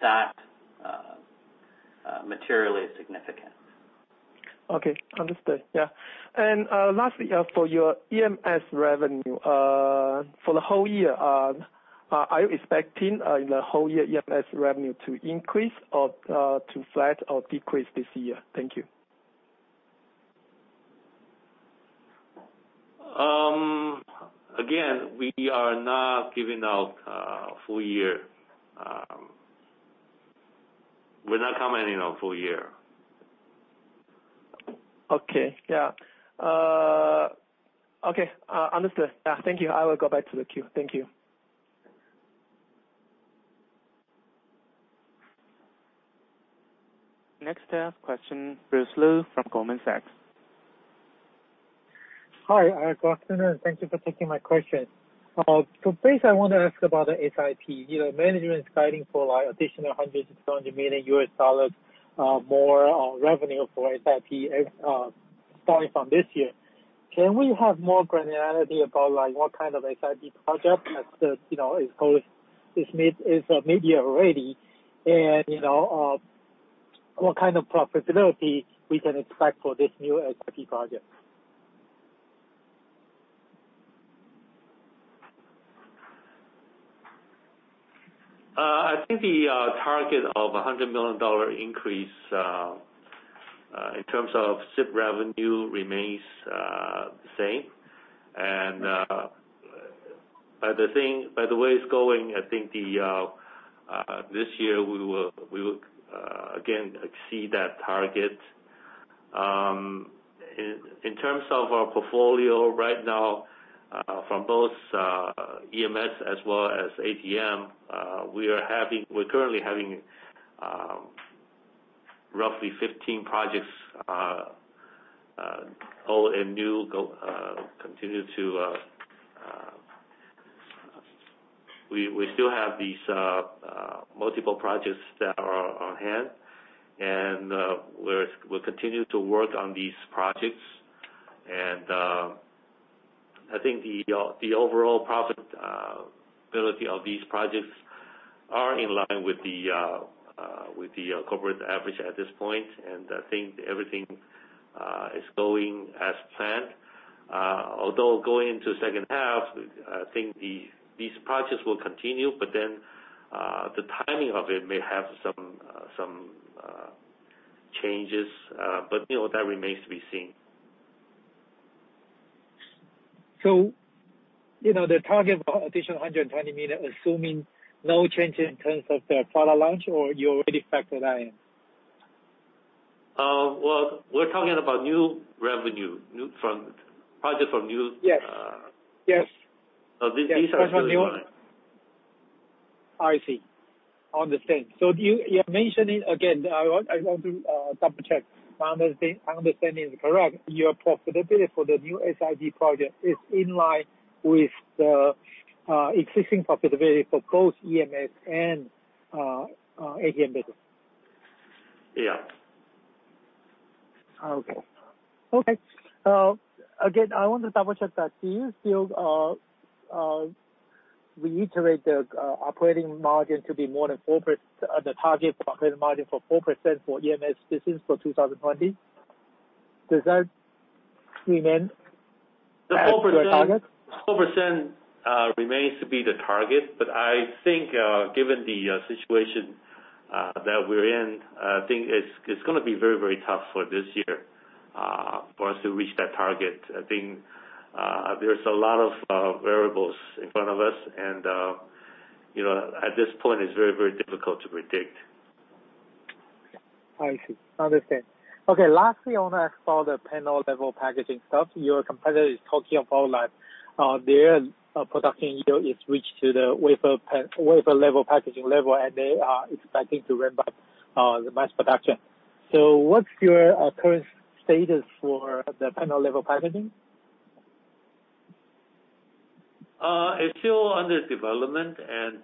that materially significant. Okay, understood. Yeah. And, lastly, for your EMS revenue, for the whole year, are you expecting, in the whole year EMS revenue to increase or, to flat or decrease this year? Thank you. Again, we are not giving out full year. We're not commenting on full year. Okay. Yeah. Okay, understood. Yeah. Thank you. I will go back to the queue. Thank you. Next, I have question, Bruce Lu from Goldman Sachs. Hi, Gentlemen, and thank you for taking my question. So first I want to ask about the SiP. You know, management is guiding for like additional $100 million-$200 million more on revenue for SiP, starting from this year. Can we have more granularity about, like, what kind of SiP project? You know, it is mid-year already, and, you know, what kind of profitability we can expect for this new SiP project? I think the target of a $100 million increase in terms of SiP revenue remains the same. And by the way it's going, I think this year we will again exceed that target. In terms of our portfolio right now, from both EMS as well as ATM, we're currently having roughly 15 projects, old and new continue to... We still have these multiple projects that are on hand, and we continue to work on these projects. And I think the overall profitability of these projects are in line with the corporate average at this point. And I think everything is going as planned. Although going into second half, I think these projects will continue, but then, the timing of it may have some changes, but, you know, that remains to be seen. So, you know, the target of additional 120 million, assuming no change in terms of the product launch, or you already factored that in? Well, we're talking about new revenue, new from, project from new- Yes. Yes. So these are- I see. I understand. So you, you're mentioning again, I want, I want to, double check. My understanding, understanding is correct, your profitability /the new SiP project is in line with the, existing profitability for both EMS and, ATM business? Yeah. Okay. Okay, again, I want to double check that. Do you still reiterate the operating margin to be more than 4%, the target operating margin for 4% for EMS business for 2020? Does that remain the target? The 4%, 4%, remains to be the target, but I think, given the situation that we're in, I think it's, it's gonna be very, very tough for this year for us to reach that target. I think, there's a lot of variables in front of us, and you know, at this point, it's very, very difficult to predict. I see. Understand. Okay, lastly, I want to ask for the panel-level packaging stuff. Your competitor is talking about like, their production yield is reached to the wafer-level packaging level, and they are expecting to ramp up the mass production. So what's your current status for the panel-level packaging? It's still under development, and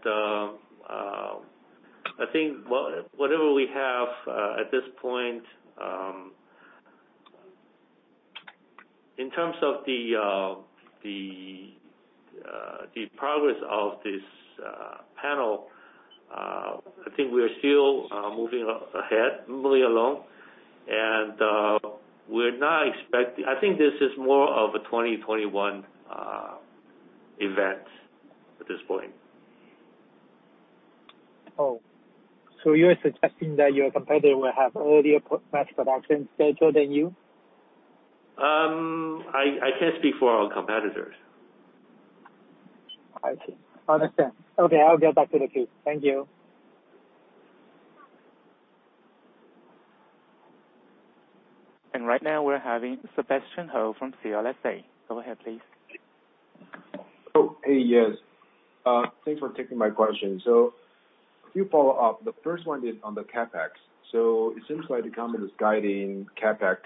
I think whatever we have at this point in terms of the progress of this panel, I think we are still moving ahead, moving along. And we're not expecting... I think this is more of a 2021 event at this point. Oh, so you are suggesting that your competitor will have earlier pre-mass production schedule than you? I can't speak for our competitors. I see. Understand. Okay, I'll get back to the queue. Thank you. Right now we're having Sebastian Hou from CLSA. Go ahead, please. Oh, hey, yes. Thanks for taking my question. So a few follow up. The first one is on the CapEx. So it seems like the company is guiding CapEx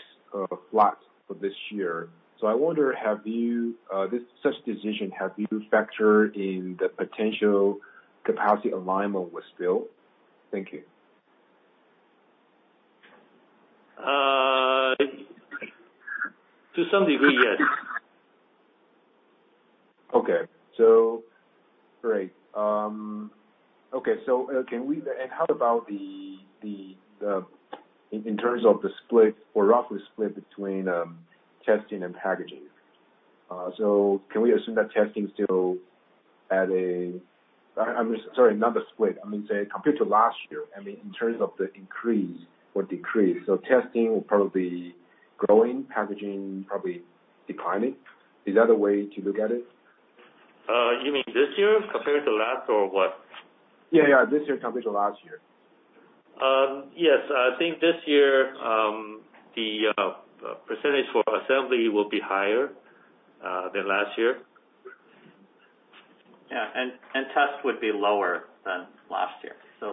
flat for this year. So I wonder, have you, this, such decision, have you factored in the potential capacity alignment with SPIL? Thank you. To some degree, yes. Okay. So great. And how about the split or roughly split between testing and packaging? So can we assume that testing is still at a... I'm sorry, not the split. I mean, say, compared to last year, I mean, in terms of the increase or decrease. So testing will probably be growing, packaging probably declining. Is that a way to look at it? You mean this year compared to last or what? Yeah, yeah, this year compared to last year. Yes. I think this year, the percentage for assembly will be higher than last year. Yeah, and test would be lower than last year. So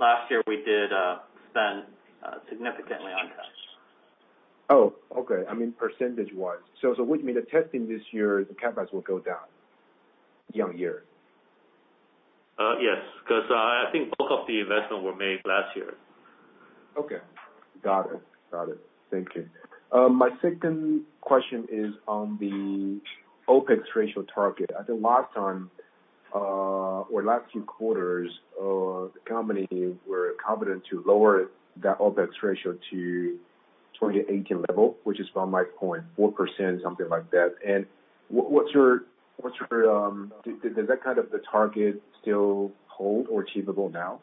last year we did spend significantly on test. Oh, okay. I mean, percentage-wise. So, so with me, the testing this year, the CapEx will go down year on year? Yes, 'cause, I think both of the investment were made last year.... Got it. Got it. Thank you. My second question is on the OpEx ratio target. At the last time, or last few quarters, the company were confident to lower that OpEx ratio to 2018 level, which is about like 0.4%, something like that. And what, what's your, what's your, does that kind of the target still hold or achievable now?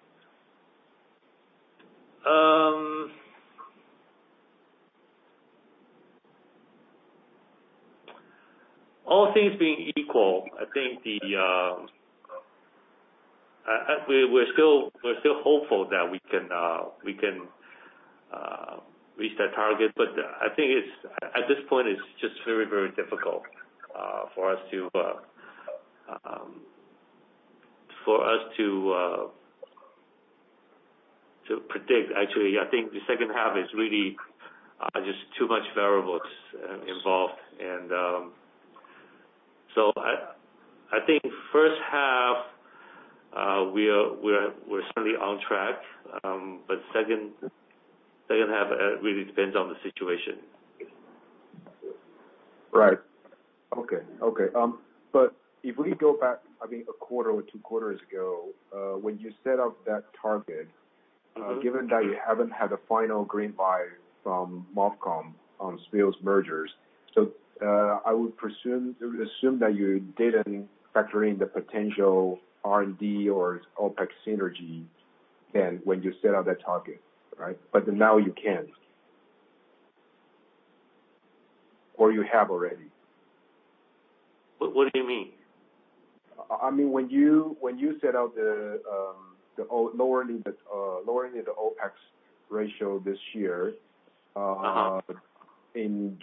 All things being equal, I think we're still, we're still hopeful that we can reach that target. But I think it's, at this point, it's just very, very difficult for us to predict, actually. I think the second half is really just too much variables involved. And so I think first half, we're certainly on track. But second half really depends on the situation. Right. Okay. Okay. But if we go back, I think a quarter or two quarters ago, when you set up that target- Mm-hmm. Given that you haven't had a final green light from MOFCOM on SPIL's mergers, so, I would presume, assume that you didn't factor in the potential R&D or OpEx synergy than when you set out that target, right? But now you can, or you have already. What, what do you mean? I mean, when you set out the lowering the OpEx ratio this year- Uh-huh. in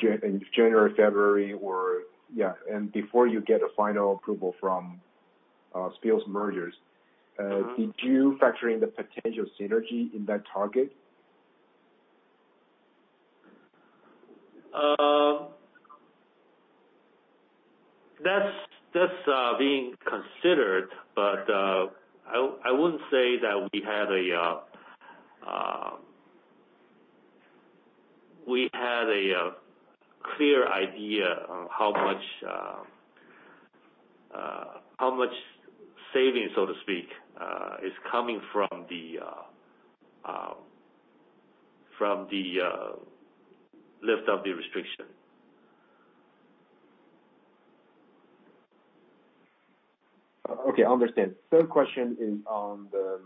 January, February, or yeah, and before you get a final approval from SPIL's mergers- Mm-hmm. Did you factor in the potential synergy in that target? That's being considered, but I wouldn't say that we had a clear idea on how much savings, so to speak, is coming from the lift of the restriction. Okay, I understand. Third question is on the,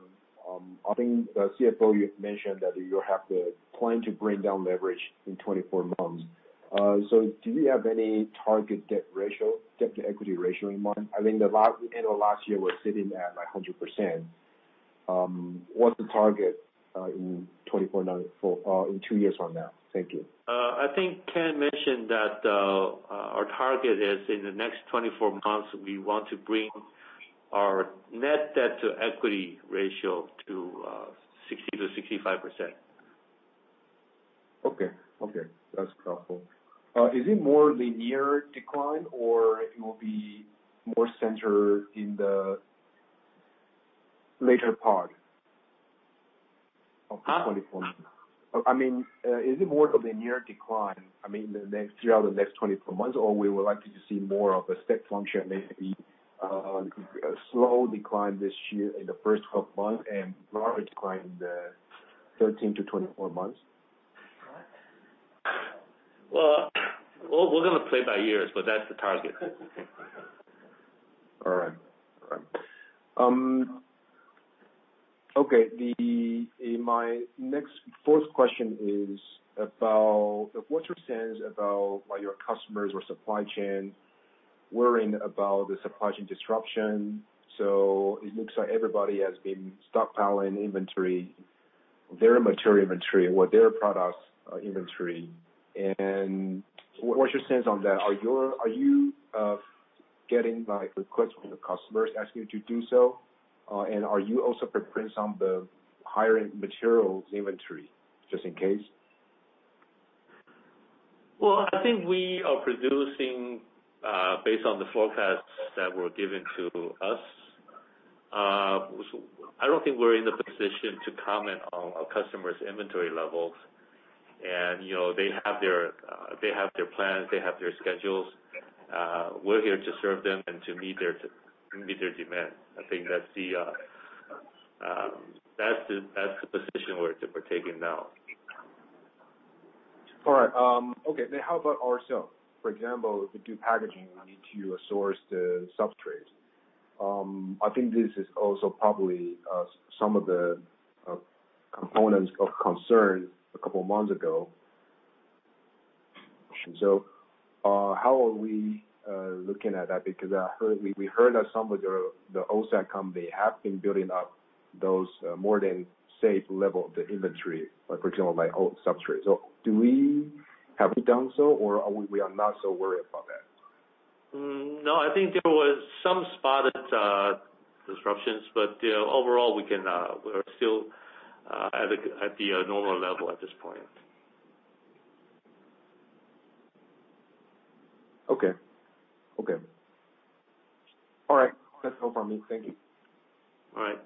I think the CFO, you mentioned that you have the plan to bring down leverage in 24 months. So do you have any target debt ratio, debt to equity ratio in mind? I think the last, end of last year was sitting at, like, 100%. What's the target for in two years from now? Thank you. I think Ken mentioned that our target is in the next 24 months, we want to bring our net debt to equity ratio to 60%-65%. Okay. Okay, that's helpful. Is it more linear decline or it will be more centered in the later part of 2024? Uh? I mean, is it more of a linear decline, I mean, the next, throughout the next 24 months, or we would like to see more of a step function, maybe, a slow decline this year in the first 12 months and large decline in the 13 to 24 months? Well, we're gonna play by years, but that's the target. All right. All right. Okay. My next, fourth question is about, what's your sense about why your customers or supply chain worrying about the supply chain disruption? So it looks like everybody has been stockpiling inventory, their material inventory or their products, inventory. And what's your sense on that? Are you getting like requests from the customers asking you to do so? And are you also preparing some of the higher materials inventory, just in case? Well, I think we are producing based on the forecasts that were given to us. I don't think we're in the position to comment on our customers' inventory levels. You know, they have their plans, they have their schedules. We're here to serve them and to meet their demand. I think that's the position we're taking now. All right. Okay, then how about ourselves? For example, if we do packaging, we need to source the substrates. I think this is also probably some of the components of concern a couple of months ago. So, how are we looking at that? Because we heard that some of the OSAT company have been building up those more than safe level of the inventory, like, for example, like, old substrates. So, have we done so, or are we not so worried about that? Mm, no, I think there was some spotted disruptions, but overall, we are still at the normal level at this point. Okay. Okay. All right, that's all from me. Thank you. All right.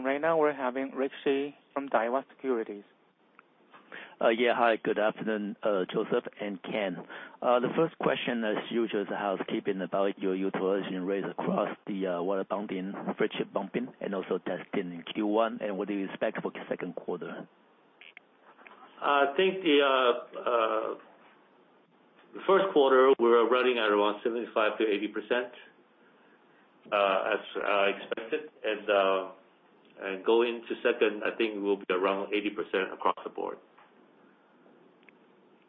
Right now we're having Rick Hsu from Daiwa Securities. Yeah, hi, good afternoon, Joseph and Ken. The first question, as usual, is housekeeping about your utilization rates across the wafer bumping, flip chip bumping, and also testing in Q1, and what do you expect for the second quarter? I think the first quarter, we're running at around 75%-80%, as expected. And going into second, I think we'll be around 80% across the board.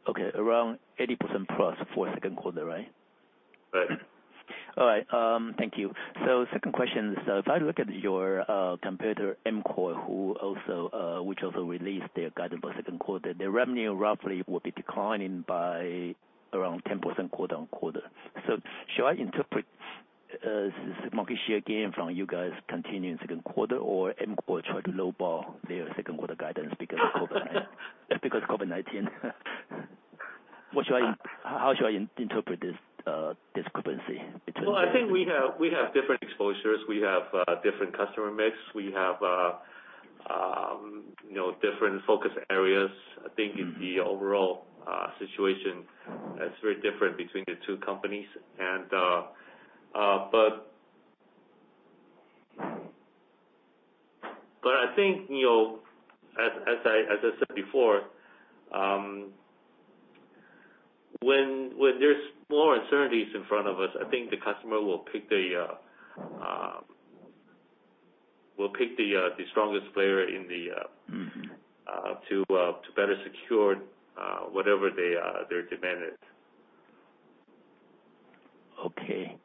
Okay, around 80% plus for second quarter, right? Right. All right. Thank you. So second question, so if I look at your competitor, Amkor, who also which also released their guidance for second quarter, their revenue roughly will be declining by around 10% quarter-on-quarter. So should I interpret as market share gain from you guys continuing second quarter, or Amkor try to low ball their second quarter guidance because of COVID-19? What should I, how should I interpret this discrepancy between- Well, I think we have different exposures. We have different customer mix. We have you know different focus areas. I think the overall situation is very different between the two companies. But I think you know as I said before when there's more uncertainties in front of us, I think the customer will pick the strongest player in the Mm-hmm. to better secure whatever their demand is. Okay.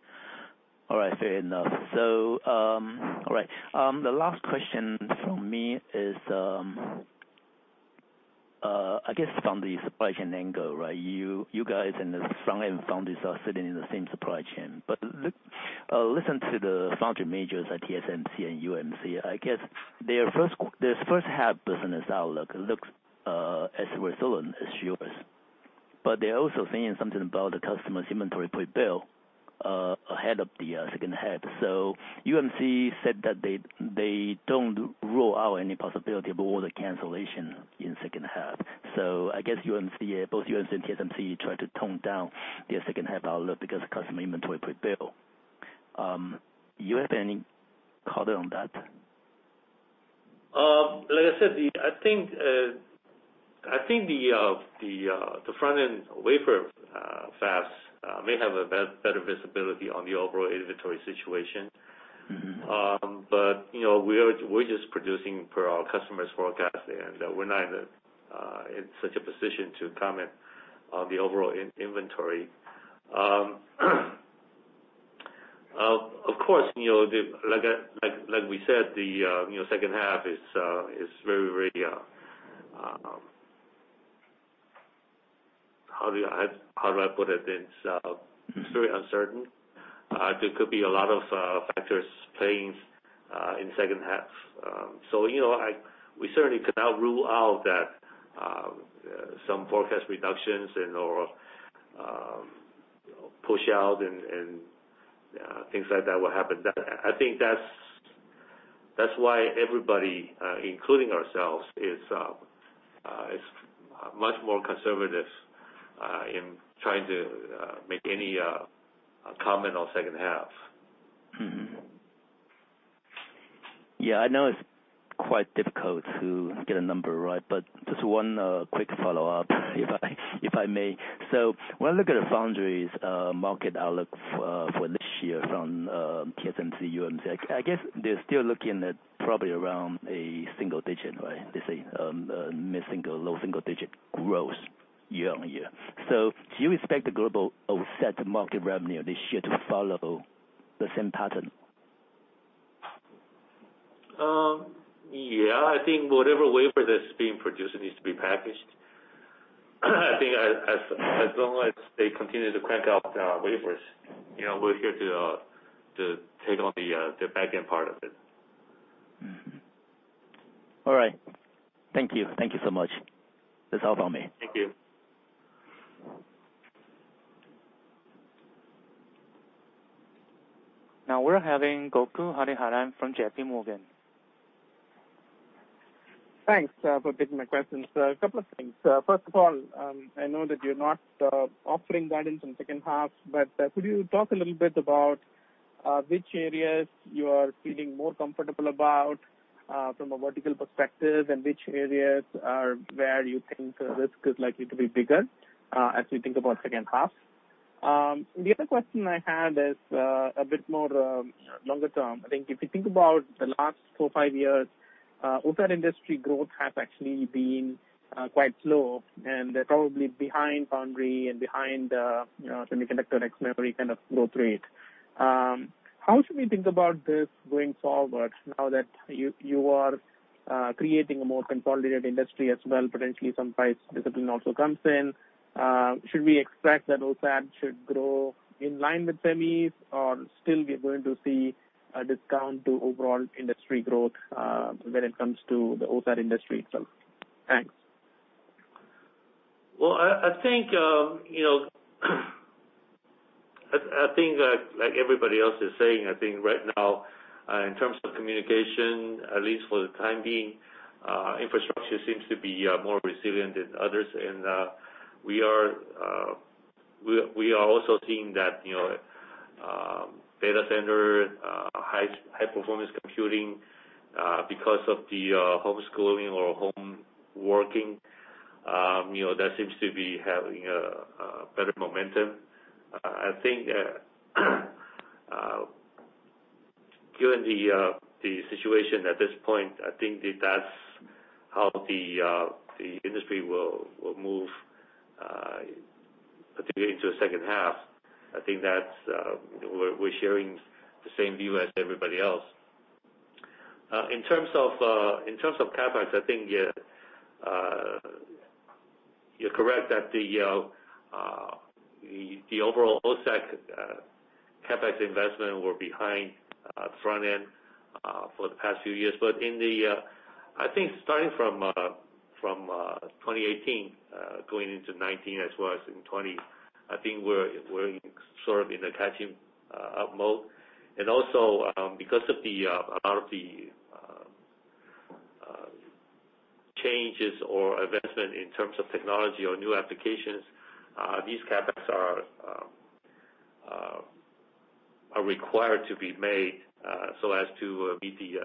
All right, fair enough. So, all right. The last question from me is, I guess from the supply chain angle, right? You, you guys and the foundry and foundries are sitting in the same supply chain. But, listen to the foundry majors like TSMC and UMC, I guess their this first half business outlook looks as resilient as yours. But they're also saying something about the customer's inventory pre-build ahead of the second half. So UMC said that they, they don't rule out any possibility of order cancellation in second half. So I guess UMC, both UMC and TSMC, try to tone down their second half outlook because customer inventory pre-build. You have any color on that? Like I said, I think the front-end wafer fabs may have better visibility on the overall inventory situation. Mm-hmm. But, you know, we are, we're just producing per our customer's forecast, and, we're not in, in such a position to comment on the overall inventory. Of course, you know, the, like I, like, like we said, the, you know, second half is, is very, very... How do I, how do I put it? It's, very uncertain. There could be a lot of, factors playing, in second half. So, you know, we certainly cannot rule out that, some forecast reductions and/or, push out and, and, things like that will happen. That, I think that's, that's why everybody, including ourselves, is, is much more conservative, in trying to, make any, comment on second half. Mm-hmm. Yeah, I know it's quite difficult to get a number right, but just one quick follow-up, if I may. So when I look at the foundries market outlook for this year from TSMC, UMC, I guess they're still looking at probably around a single digit, right? They say a mid-single, low single digit growth year-on-year. So do you expect the global OSAT market revenue this year to follow the same pattern? Yeah, I think whatever wafer that's being produced needs to be packaged. I think as long as they continue to crank out wafers, you know, we're here to take on the backend part of it. Mm-hmm. All right. Thank you. Thank you so much. That's all from me. Thank you. Now we're having Gokul Hariharan from J.P. Morgan. Thanks for taking my questions. So a couple of things. First of all, I know that you're not offering guidance on second half, but could you talk a little bit about which areas you are feeling more comfortable about from a vertical perspective, and which areas are where you think risk is likely to be bigger as we think about second half? The other question I had is a bit more longer term. I think if you think about the last four, five years, OSAT industry growth has actually been quite slow, and they're probably behind foundry and behind, you know, semiconductor ex-memory kind of growth rate. How should we think about this going forward now that you, you are creating a more consolidated industry as well, potentially some price discipline also comes in? Should we expect that OSAT should grow in line with semis, or still we are going to see a discount to overall industry growth, when it comes to the OSAT industry itself? Thanks.... Well, I think, you know, like everybody else is saying, I think right now, in terms of communication, at least for the time being, infrastructure seems to be more resilient than others. And we are also seeing that, you know, data center, high-performance computing, because of the homeschooling or home working, you know, that seems to be having a better momentum. I think, given the situation at this point, I think that that's how the industry will move, particularly into the second half. I think that's, we're sharing the same view as everybody else. In terms of CapEx, I think you're correct that the overall OSAT CapEx investment were behind front end for the past few years. But in the... I think starting from 2018, going into 2019, as well as in 2020, I think we're sort of in a catching up mode. And also, because of a lot of the changes or investment in terms of technology or new applications, these CapEx are required to be made, so as to meet the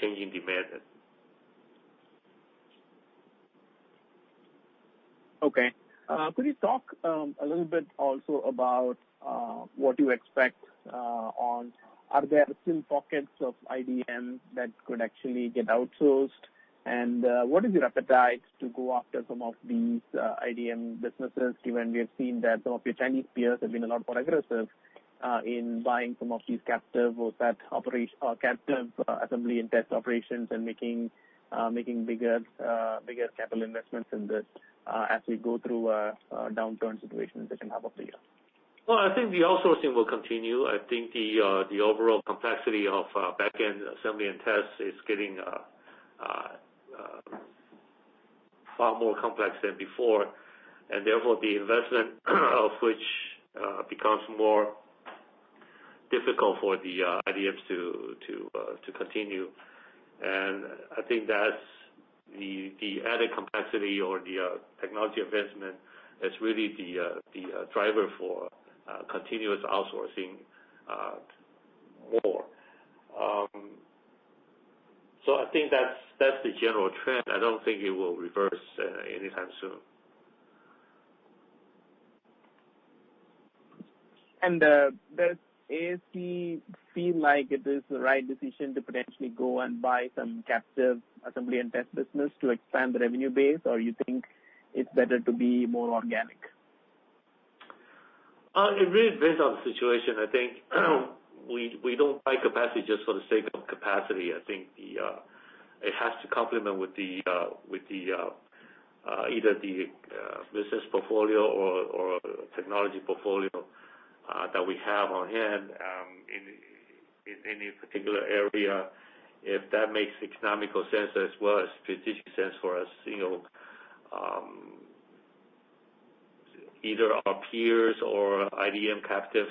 changing demand. Okay. Could you talk a little bit also about what you expect on, are there still pockets of IDM that could actually get outsourced? And what is your appetite to go after some of these IDM businesses, given we have seen that some of your Chinese peers have been a lot more aggressive in buying some of these captive OSAT operation- or captive assembly and test operations, and making bigger capital investments in this as we go through a downturn situation in the second half of the year? Well, I think the outsourcing will continue. I think the overall complexity of backend assembly and tests is getting far more complex than before, and therefore, the investment, of which, becomes more difficult for the IDMs to continue. And I think that's the added complexity or the technology investment is really the driver for continuous outsourcing more. So I think that's the general trend. I don't think it will reverse anytime soon. Does ASE feel like it is the right decision to potentially go and buy some captive assembly and test business to expand the revenue base, or you think it's better to be more organic? It really depends on the situation. I think we don't buy capacity just for the sake of capacity. I think it has to complement with the either the business portfolio or technology portfolio that we have on hand in any particular area. If that makes economical sense, as well as strategic sense for us, you know, either our peers or IDM captive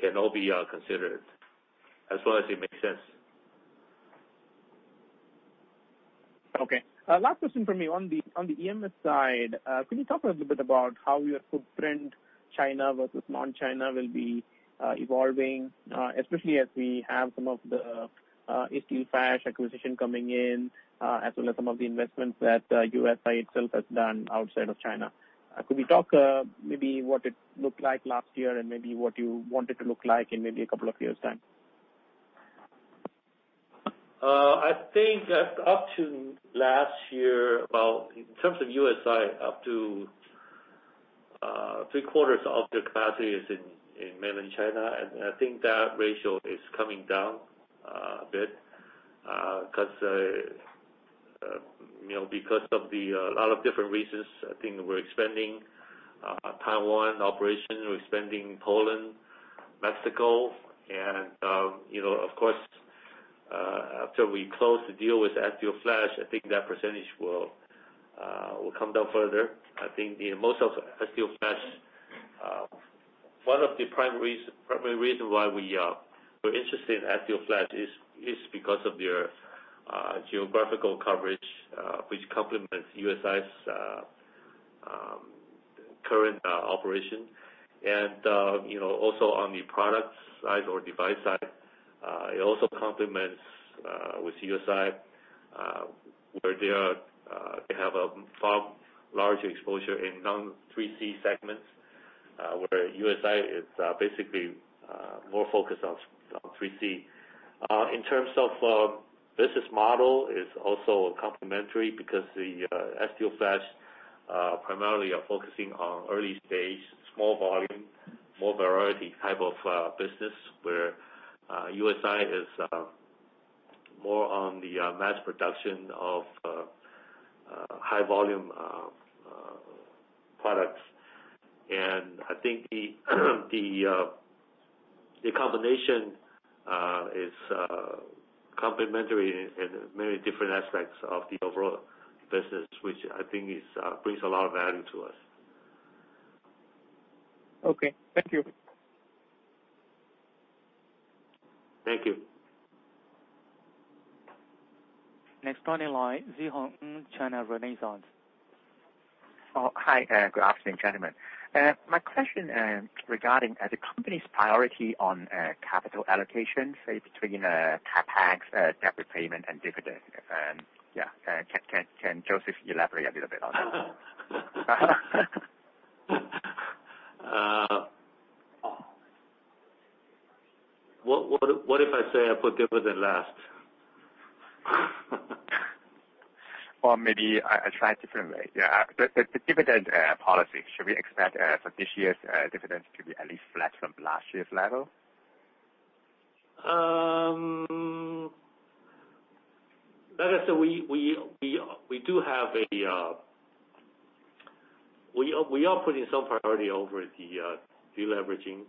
can all be considered, as well as it makes sense. Okay. Last question from me. On the EMS side, can you talk a little bit about how your footprint, China versus non-China, will be evolving, especially as we have some of the Asteelflash acquisition coming in, as well as some of the investments that USI itself has done outside of China? Could we talk, maybe what it looked like last year and maybe what you want it to look like in maybe a couple of years' time? I think up to last year, about, in terms of USI, up to three quarters of the capacity is in mainland China, and I think that ratio is coming down a bit. 'Cause, you know, because of a lot of different reasons, I think we're expanding Taiwan operation, we're expanding Poland, Mexico, and, you know, of course, after we close the deal with Asteelflash, I think that percentage will come down further. I think the most of Asteelflash, one of the primary reason why we're interested in Asteelflash is because of their geographical coverage, which complements USI's current operation. And, you know, also on the product side or device side, it also complements with USI, where they are, they have a far larger exposure in non-3C segments, where USI is basically more focused on 3C. In terms of business model, it's also complementary because the Asteelflash primarily are focusing on early stage, small volume, more variety type of business, where USI is more on the mass production of products. And I think the combination is complementary in many different aspects of the overall business, which I think is brings a lot of value to us. Okay, thank you. Thank you. Next on the line, Szeho Ng, China Renaissance. Oh, hi, good afternoon, gentlemen. My question regarding the company's priority on capital allocation, say, between CapEx, debt repayment, and dividend. Yeah, can Joseph elaborate a little bit on that? What if I say I put dividend last? Well, maybe I try a different way. Yeah, the dividend policy, should we expect for this year's dividends to be at least flat from last year's level? Like I said, we do have a—we are putting some priority over the deleveraging.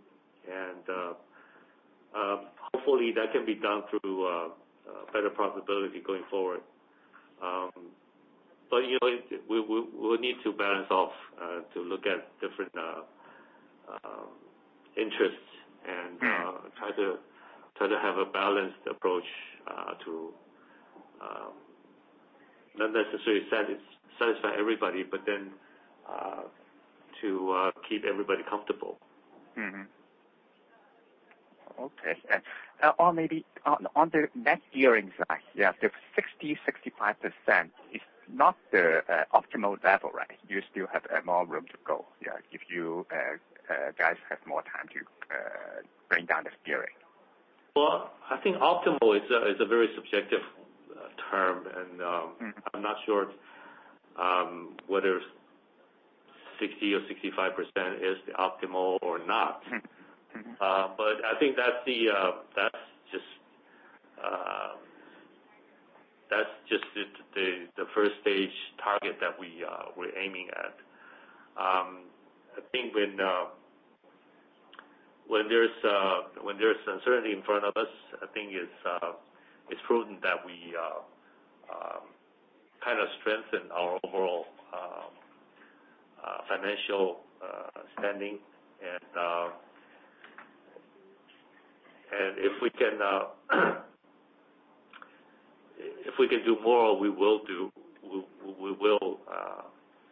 Hopefully, that can be done through better profitability going forward. But, you know, we will need to balance off to look at different interests and- Mm. Try to have a balanced approach to not necessarily satisfy everybody, but then to keep everybody comfortable. Mm-hmm. Okay. And, or maybe on, on the net gearing side, yeah, the 60%-65% is not the optimal level, right? You still have more room to go, yeah, if you guys have more time to bring down this gearing. Well, I think optimal is a very subjective term, and Mm. I'm not sure whether 60% or 65% is the optimal or not. Mm, mm-hmm. But I think that's just the first stage target that we're aiming at. I think when there's uncertainty in front of us, I think it's prudent that we kind of strengthen our overall financial standing. And if we can do more, we will do—we will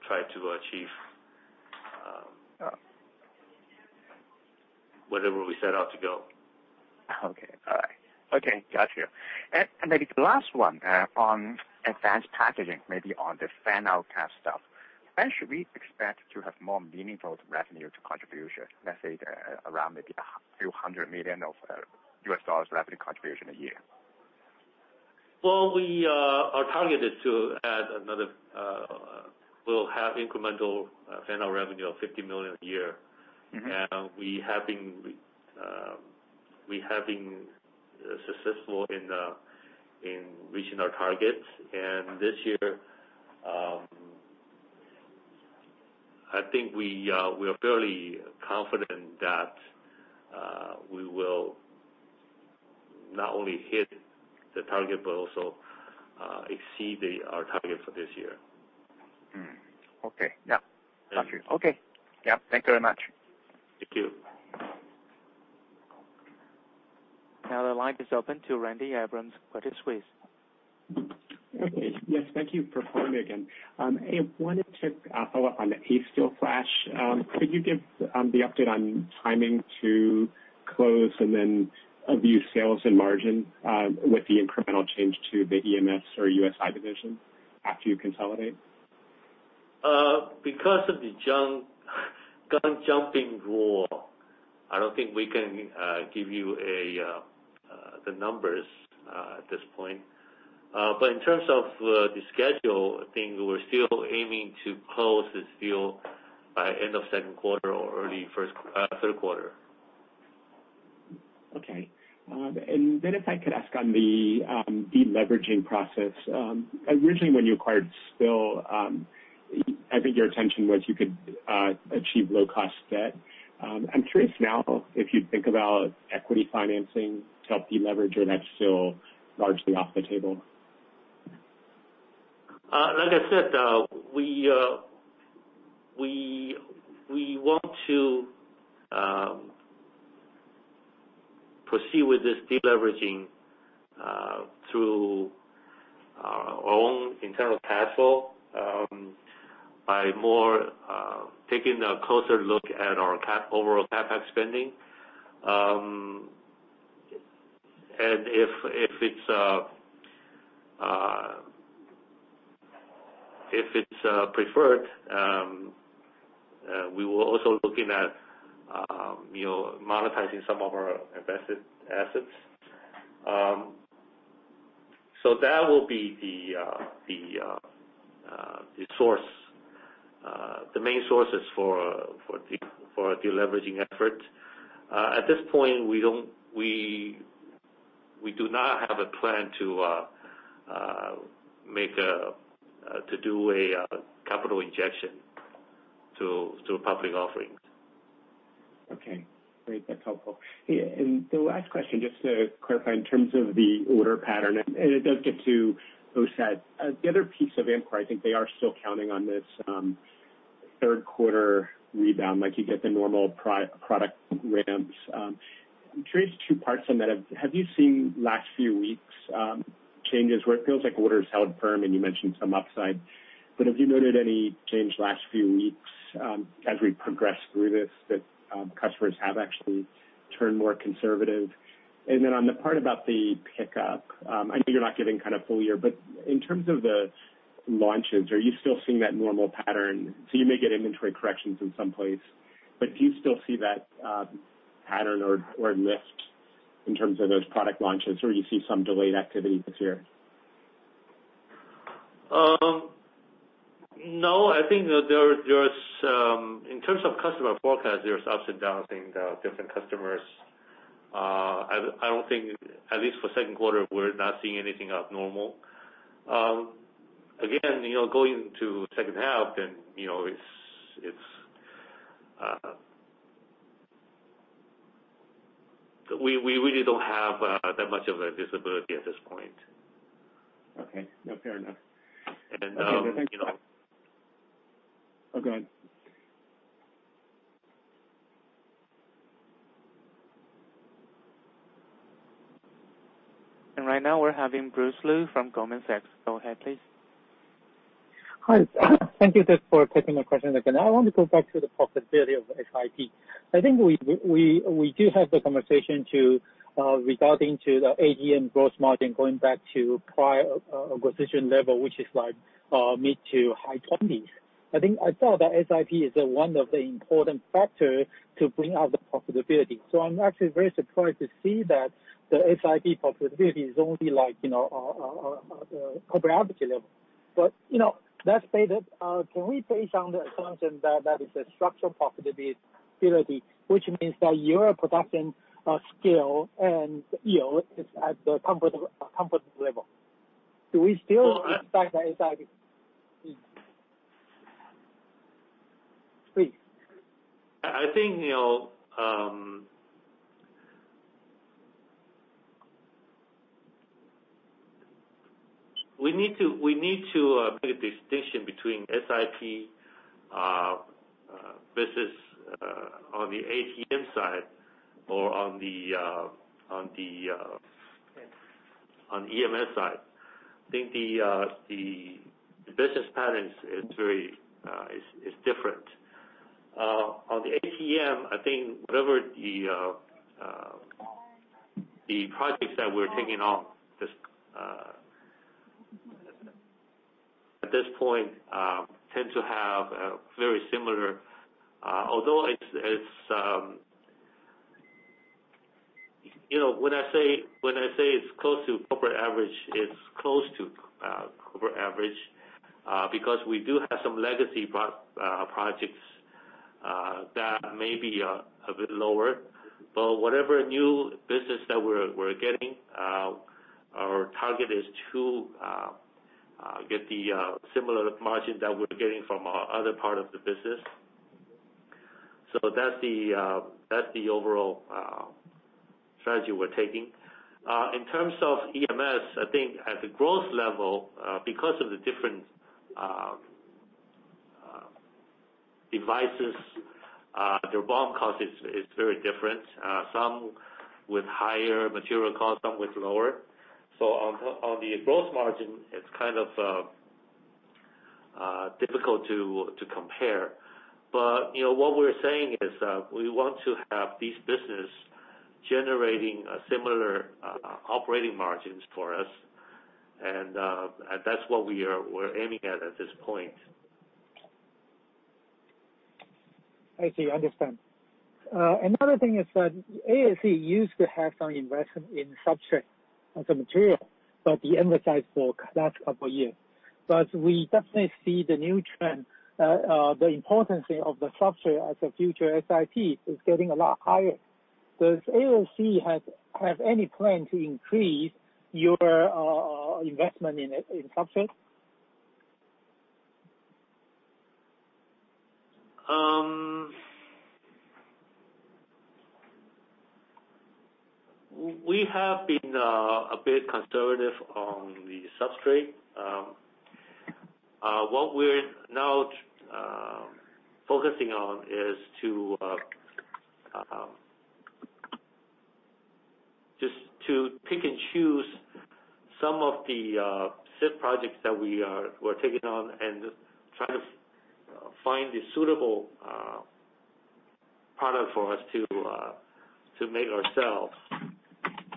try to achieve whatever we set out to go. Okay. All right. Okay, got you. And, and maybe the last one, on advanced packaging, maybe on the fan-out kind of stuff. When should we expect to have more meaningful revenue to contribution, let's say, around maybe a few hundred million dollars revenue contribution a year? Well, we are targeted to add another. We'll have incremental fan-out revenue of $50 million a year. Mm-hmm. And we have been successful in reaching our targets. And this year, I think we are fairly confident that we will not only hit the target, but also exceed our target for this year. Mm. Okay. Yeah, got you. Okay. Yeah, thank you very much. Thank you. Now, the line is open to Randy Abrams, Credit Suisse. Yes, thank you for holding again. I wanted to follow up on the Asteelflash. Could you give the update on timing to close, and then view sales and margin with the incremental change to the EMS or USI division after you consolidate? Because of the gun-jumping rule, I don't think we can give you the numbers at this point. But in terms of the schedule, I think we're still aiming to close this deal by end of second quarter or early third quarter. Okay. And then if I could ask on the deleveraging process. Originally, when you acquired SPIL, I think your intention was you could achieve low-cost debt. I'm curious now, if you think about equity financing to help deleverage, or that's still largely off the table? Like I said, we want to proceed with this deleveraging through our own internal cash flow by more taking a closer look at our overall CapEx spending. And if it's preferred, we will also looking at, you know, monetizing some of our invested assets. So that will be the source, the main sources for our deleveraging efforts. At this point, we do not have a plan to make a to do a capital injection through public offerings. Okay, great. That's helpful. Yeah, and the last question, just to clarify in terms of the order pattern, and it does get to those sets. The other piece of Amkor, I think they are still counting on this third quarter rebound, like you get the normal product ramps. I'm curious, two parts on that. Have you seen last few weeks changes where it feels like orders held firm, and you mentioned some upside. But have you noted any change last few weeks as we progress through this, that customers have actually turned more conservative? And then on the part about the pickup, I know you're not giving kind of full year, but in terms of the launches, are you still seeing that normal pattern? So you may get inventory corrections in some place, but do you still see that pattern or, or lift in terms of those product launches, or you see some delayed activities here? No, I think that there, there's, in terms of customer forecast, there's ups and downs in the different customers. I don't think, at least for second quarter, we're not seeing anything abnormal. Again, you know, going to second half, then, you know, it's. We really don't have that much of a visibility at this point. Okay. No, fair enough. And, you know- Okay. Right now we're having Bruce Lu from Goldman Sachs. Go ahead, please. Hi. Thank you just for taking my question again. I want to go back to the profitability of SiP. I think we do have the conversation to regarding to the ATM gross margin going back to prior acquisition level, which is like mid to high twenties. I think I saw that SiP is one of the important factor to bring out the profitability. So I'm actually very surprised to see that the SiP profitability is only like, you know, corporate average level. But, you know, let's say that, can we base on the assumption that that is a structural profitability, which means that your production scale and yield is at the comfortable level? Do we still expect the SiP? Please. I think, you know, we need to make a distinction between SiP business on the ATM side or on the EMS side. I think the business patterns is very different. On the ATM, I think whatever the projects that we're taking on at this point tend to have very similar. Although it's, you know, when I say it's close to corporate average, it's close to corporate average, because we do have some legacy projects that may be a bit lower. But whatever new business that we're getting, our target is to get the similar margin that we're getting from our other part of the business. So that's the, that's the overall strategy we're taking. In terms of EMS, I think at the growth level, because of the different devices, their BOM cost is very different. Some with higher material cost, some with lower. So on the growth margin, it's kind of difficult to compare. But, you know, what we're saying is, we want to have this business generating, similar operating margins for us, and, and that's what we are- we're aiming at, at this point. I see. I understand. Another thing is that ASE used to have some investment in substrate as a material, but we emphasized for last couple of years. But we definitely see the new trend, the importance of the substrate as a future SiP is getting a lot higher. Does ASE have any plan to increase your investment in it, in substrate? We have been a bit conservative on the substrate. What we're now focusing on is to just pick and choose some of the SiP projects that we're taking on and try to find a suitable product for us to make ourselves.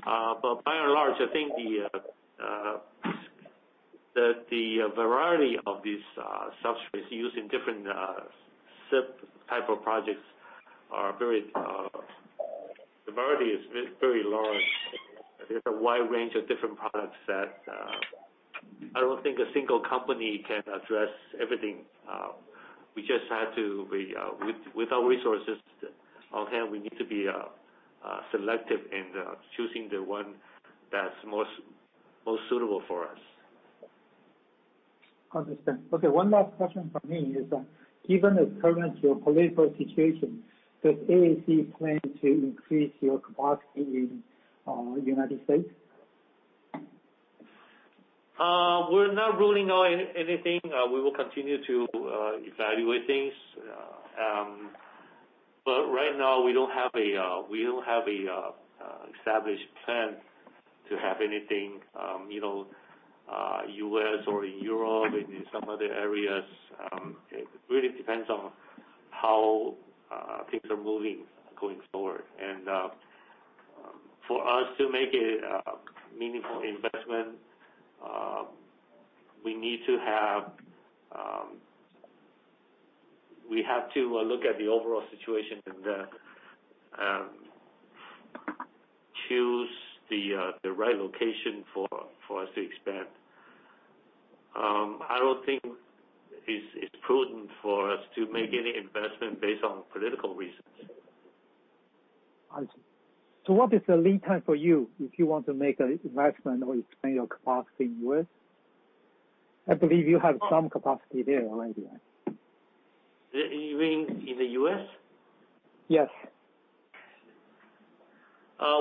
But by and large, I think that the variety of these substrates used in different SiP type of projects are very, the variety is very, very large. There's a wide range of different products that I don't think a single company can address everything. We just had to be, with our resources on hand, we need to be selective in choosing the one that's most suitable for us. Understand. Okay, one last question from me is, given the current geopolitical situation, does ASE plan to increase your capacity in, United States? We're not ruling out anything. We will continue to evaluate things. But right now, we don't have an established plan to have anything, you know, U.S. or in Europe, maybe some other areas. It really depends on how things are moving going forward. And for us to make a meaningful investment, we need to have, we have to look at the overall situation and choose the right location for us to expand. I don't think it's prudent for us to make any investment based on political reasons. I see. So what is the lead time for you, if you want to make an investment or expand your capacity in U.S.? I believe you have some capacity there already, right? You mean in the U.S.? Yes.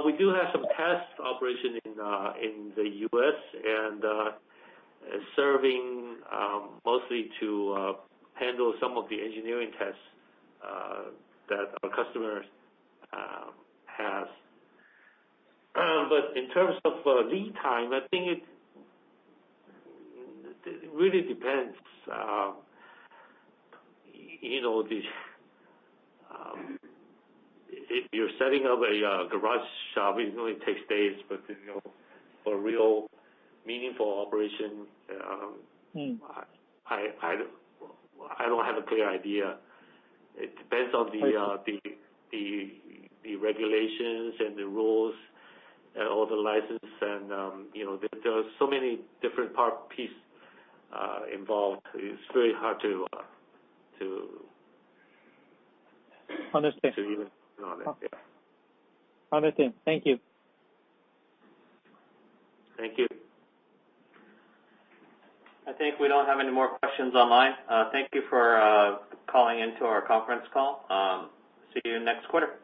We do have some test operation in the U.S. and serving mostly to handle some of the engineering tests that our customers has. But in terms of lead time, I think it really depends. You know, if you're setting up a garage shop, it only takes days. But you know, for real meaningful operation, Mm. I don't have a clear idea. It depends on the regulations and the rules and all the license and, you know, there are so many different part piece involved. It's very hard to to- Understand. Yeah. Understand. Thank you. Thank you. I think we don't have any more questions online. Thank you for calling into our conference call. See you next quarter.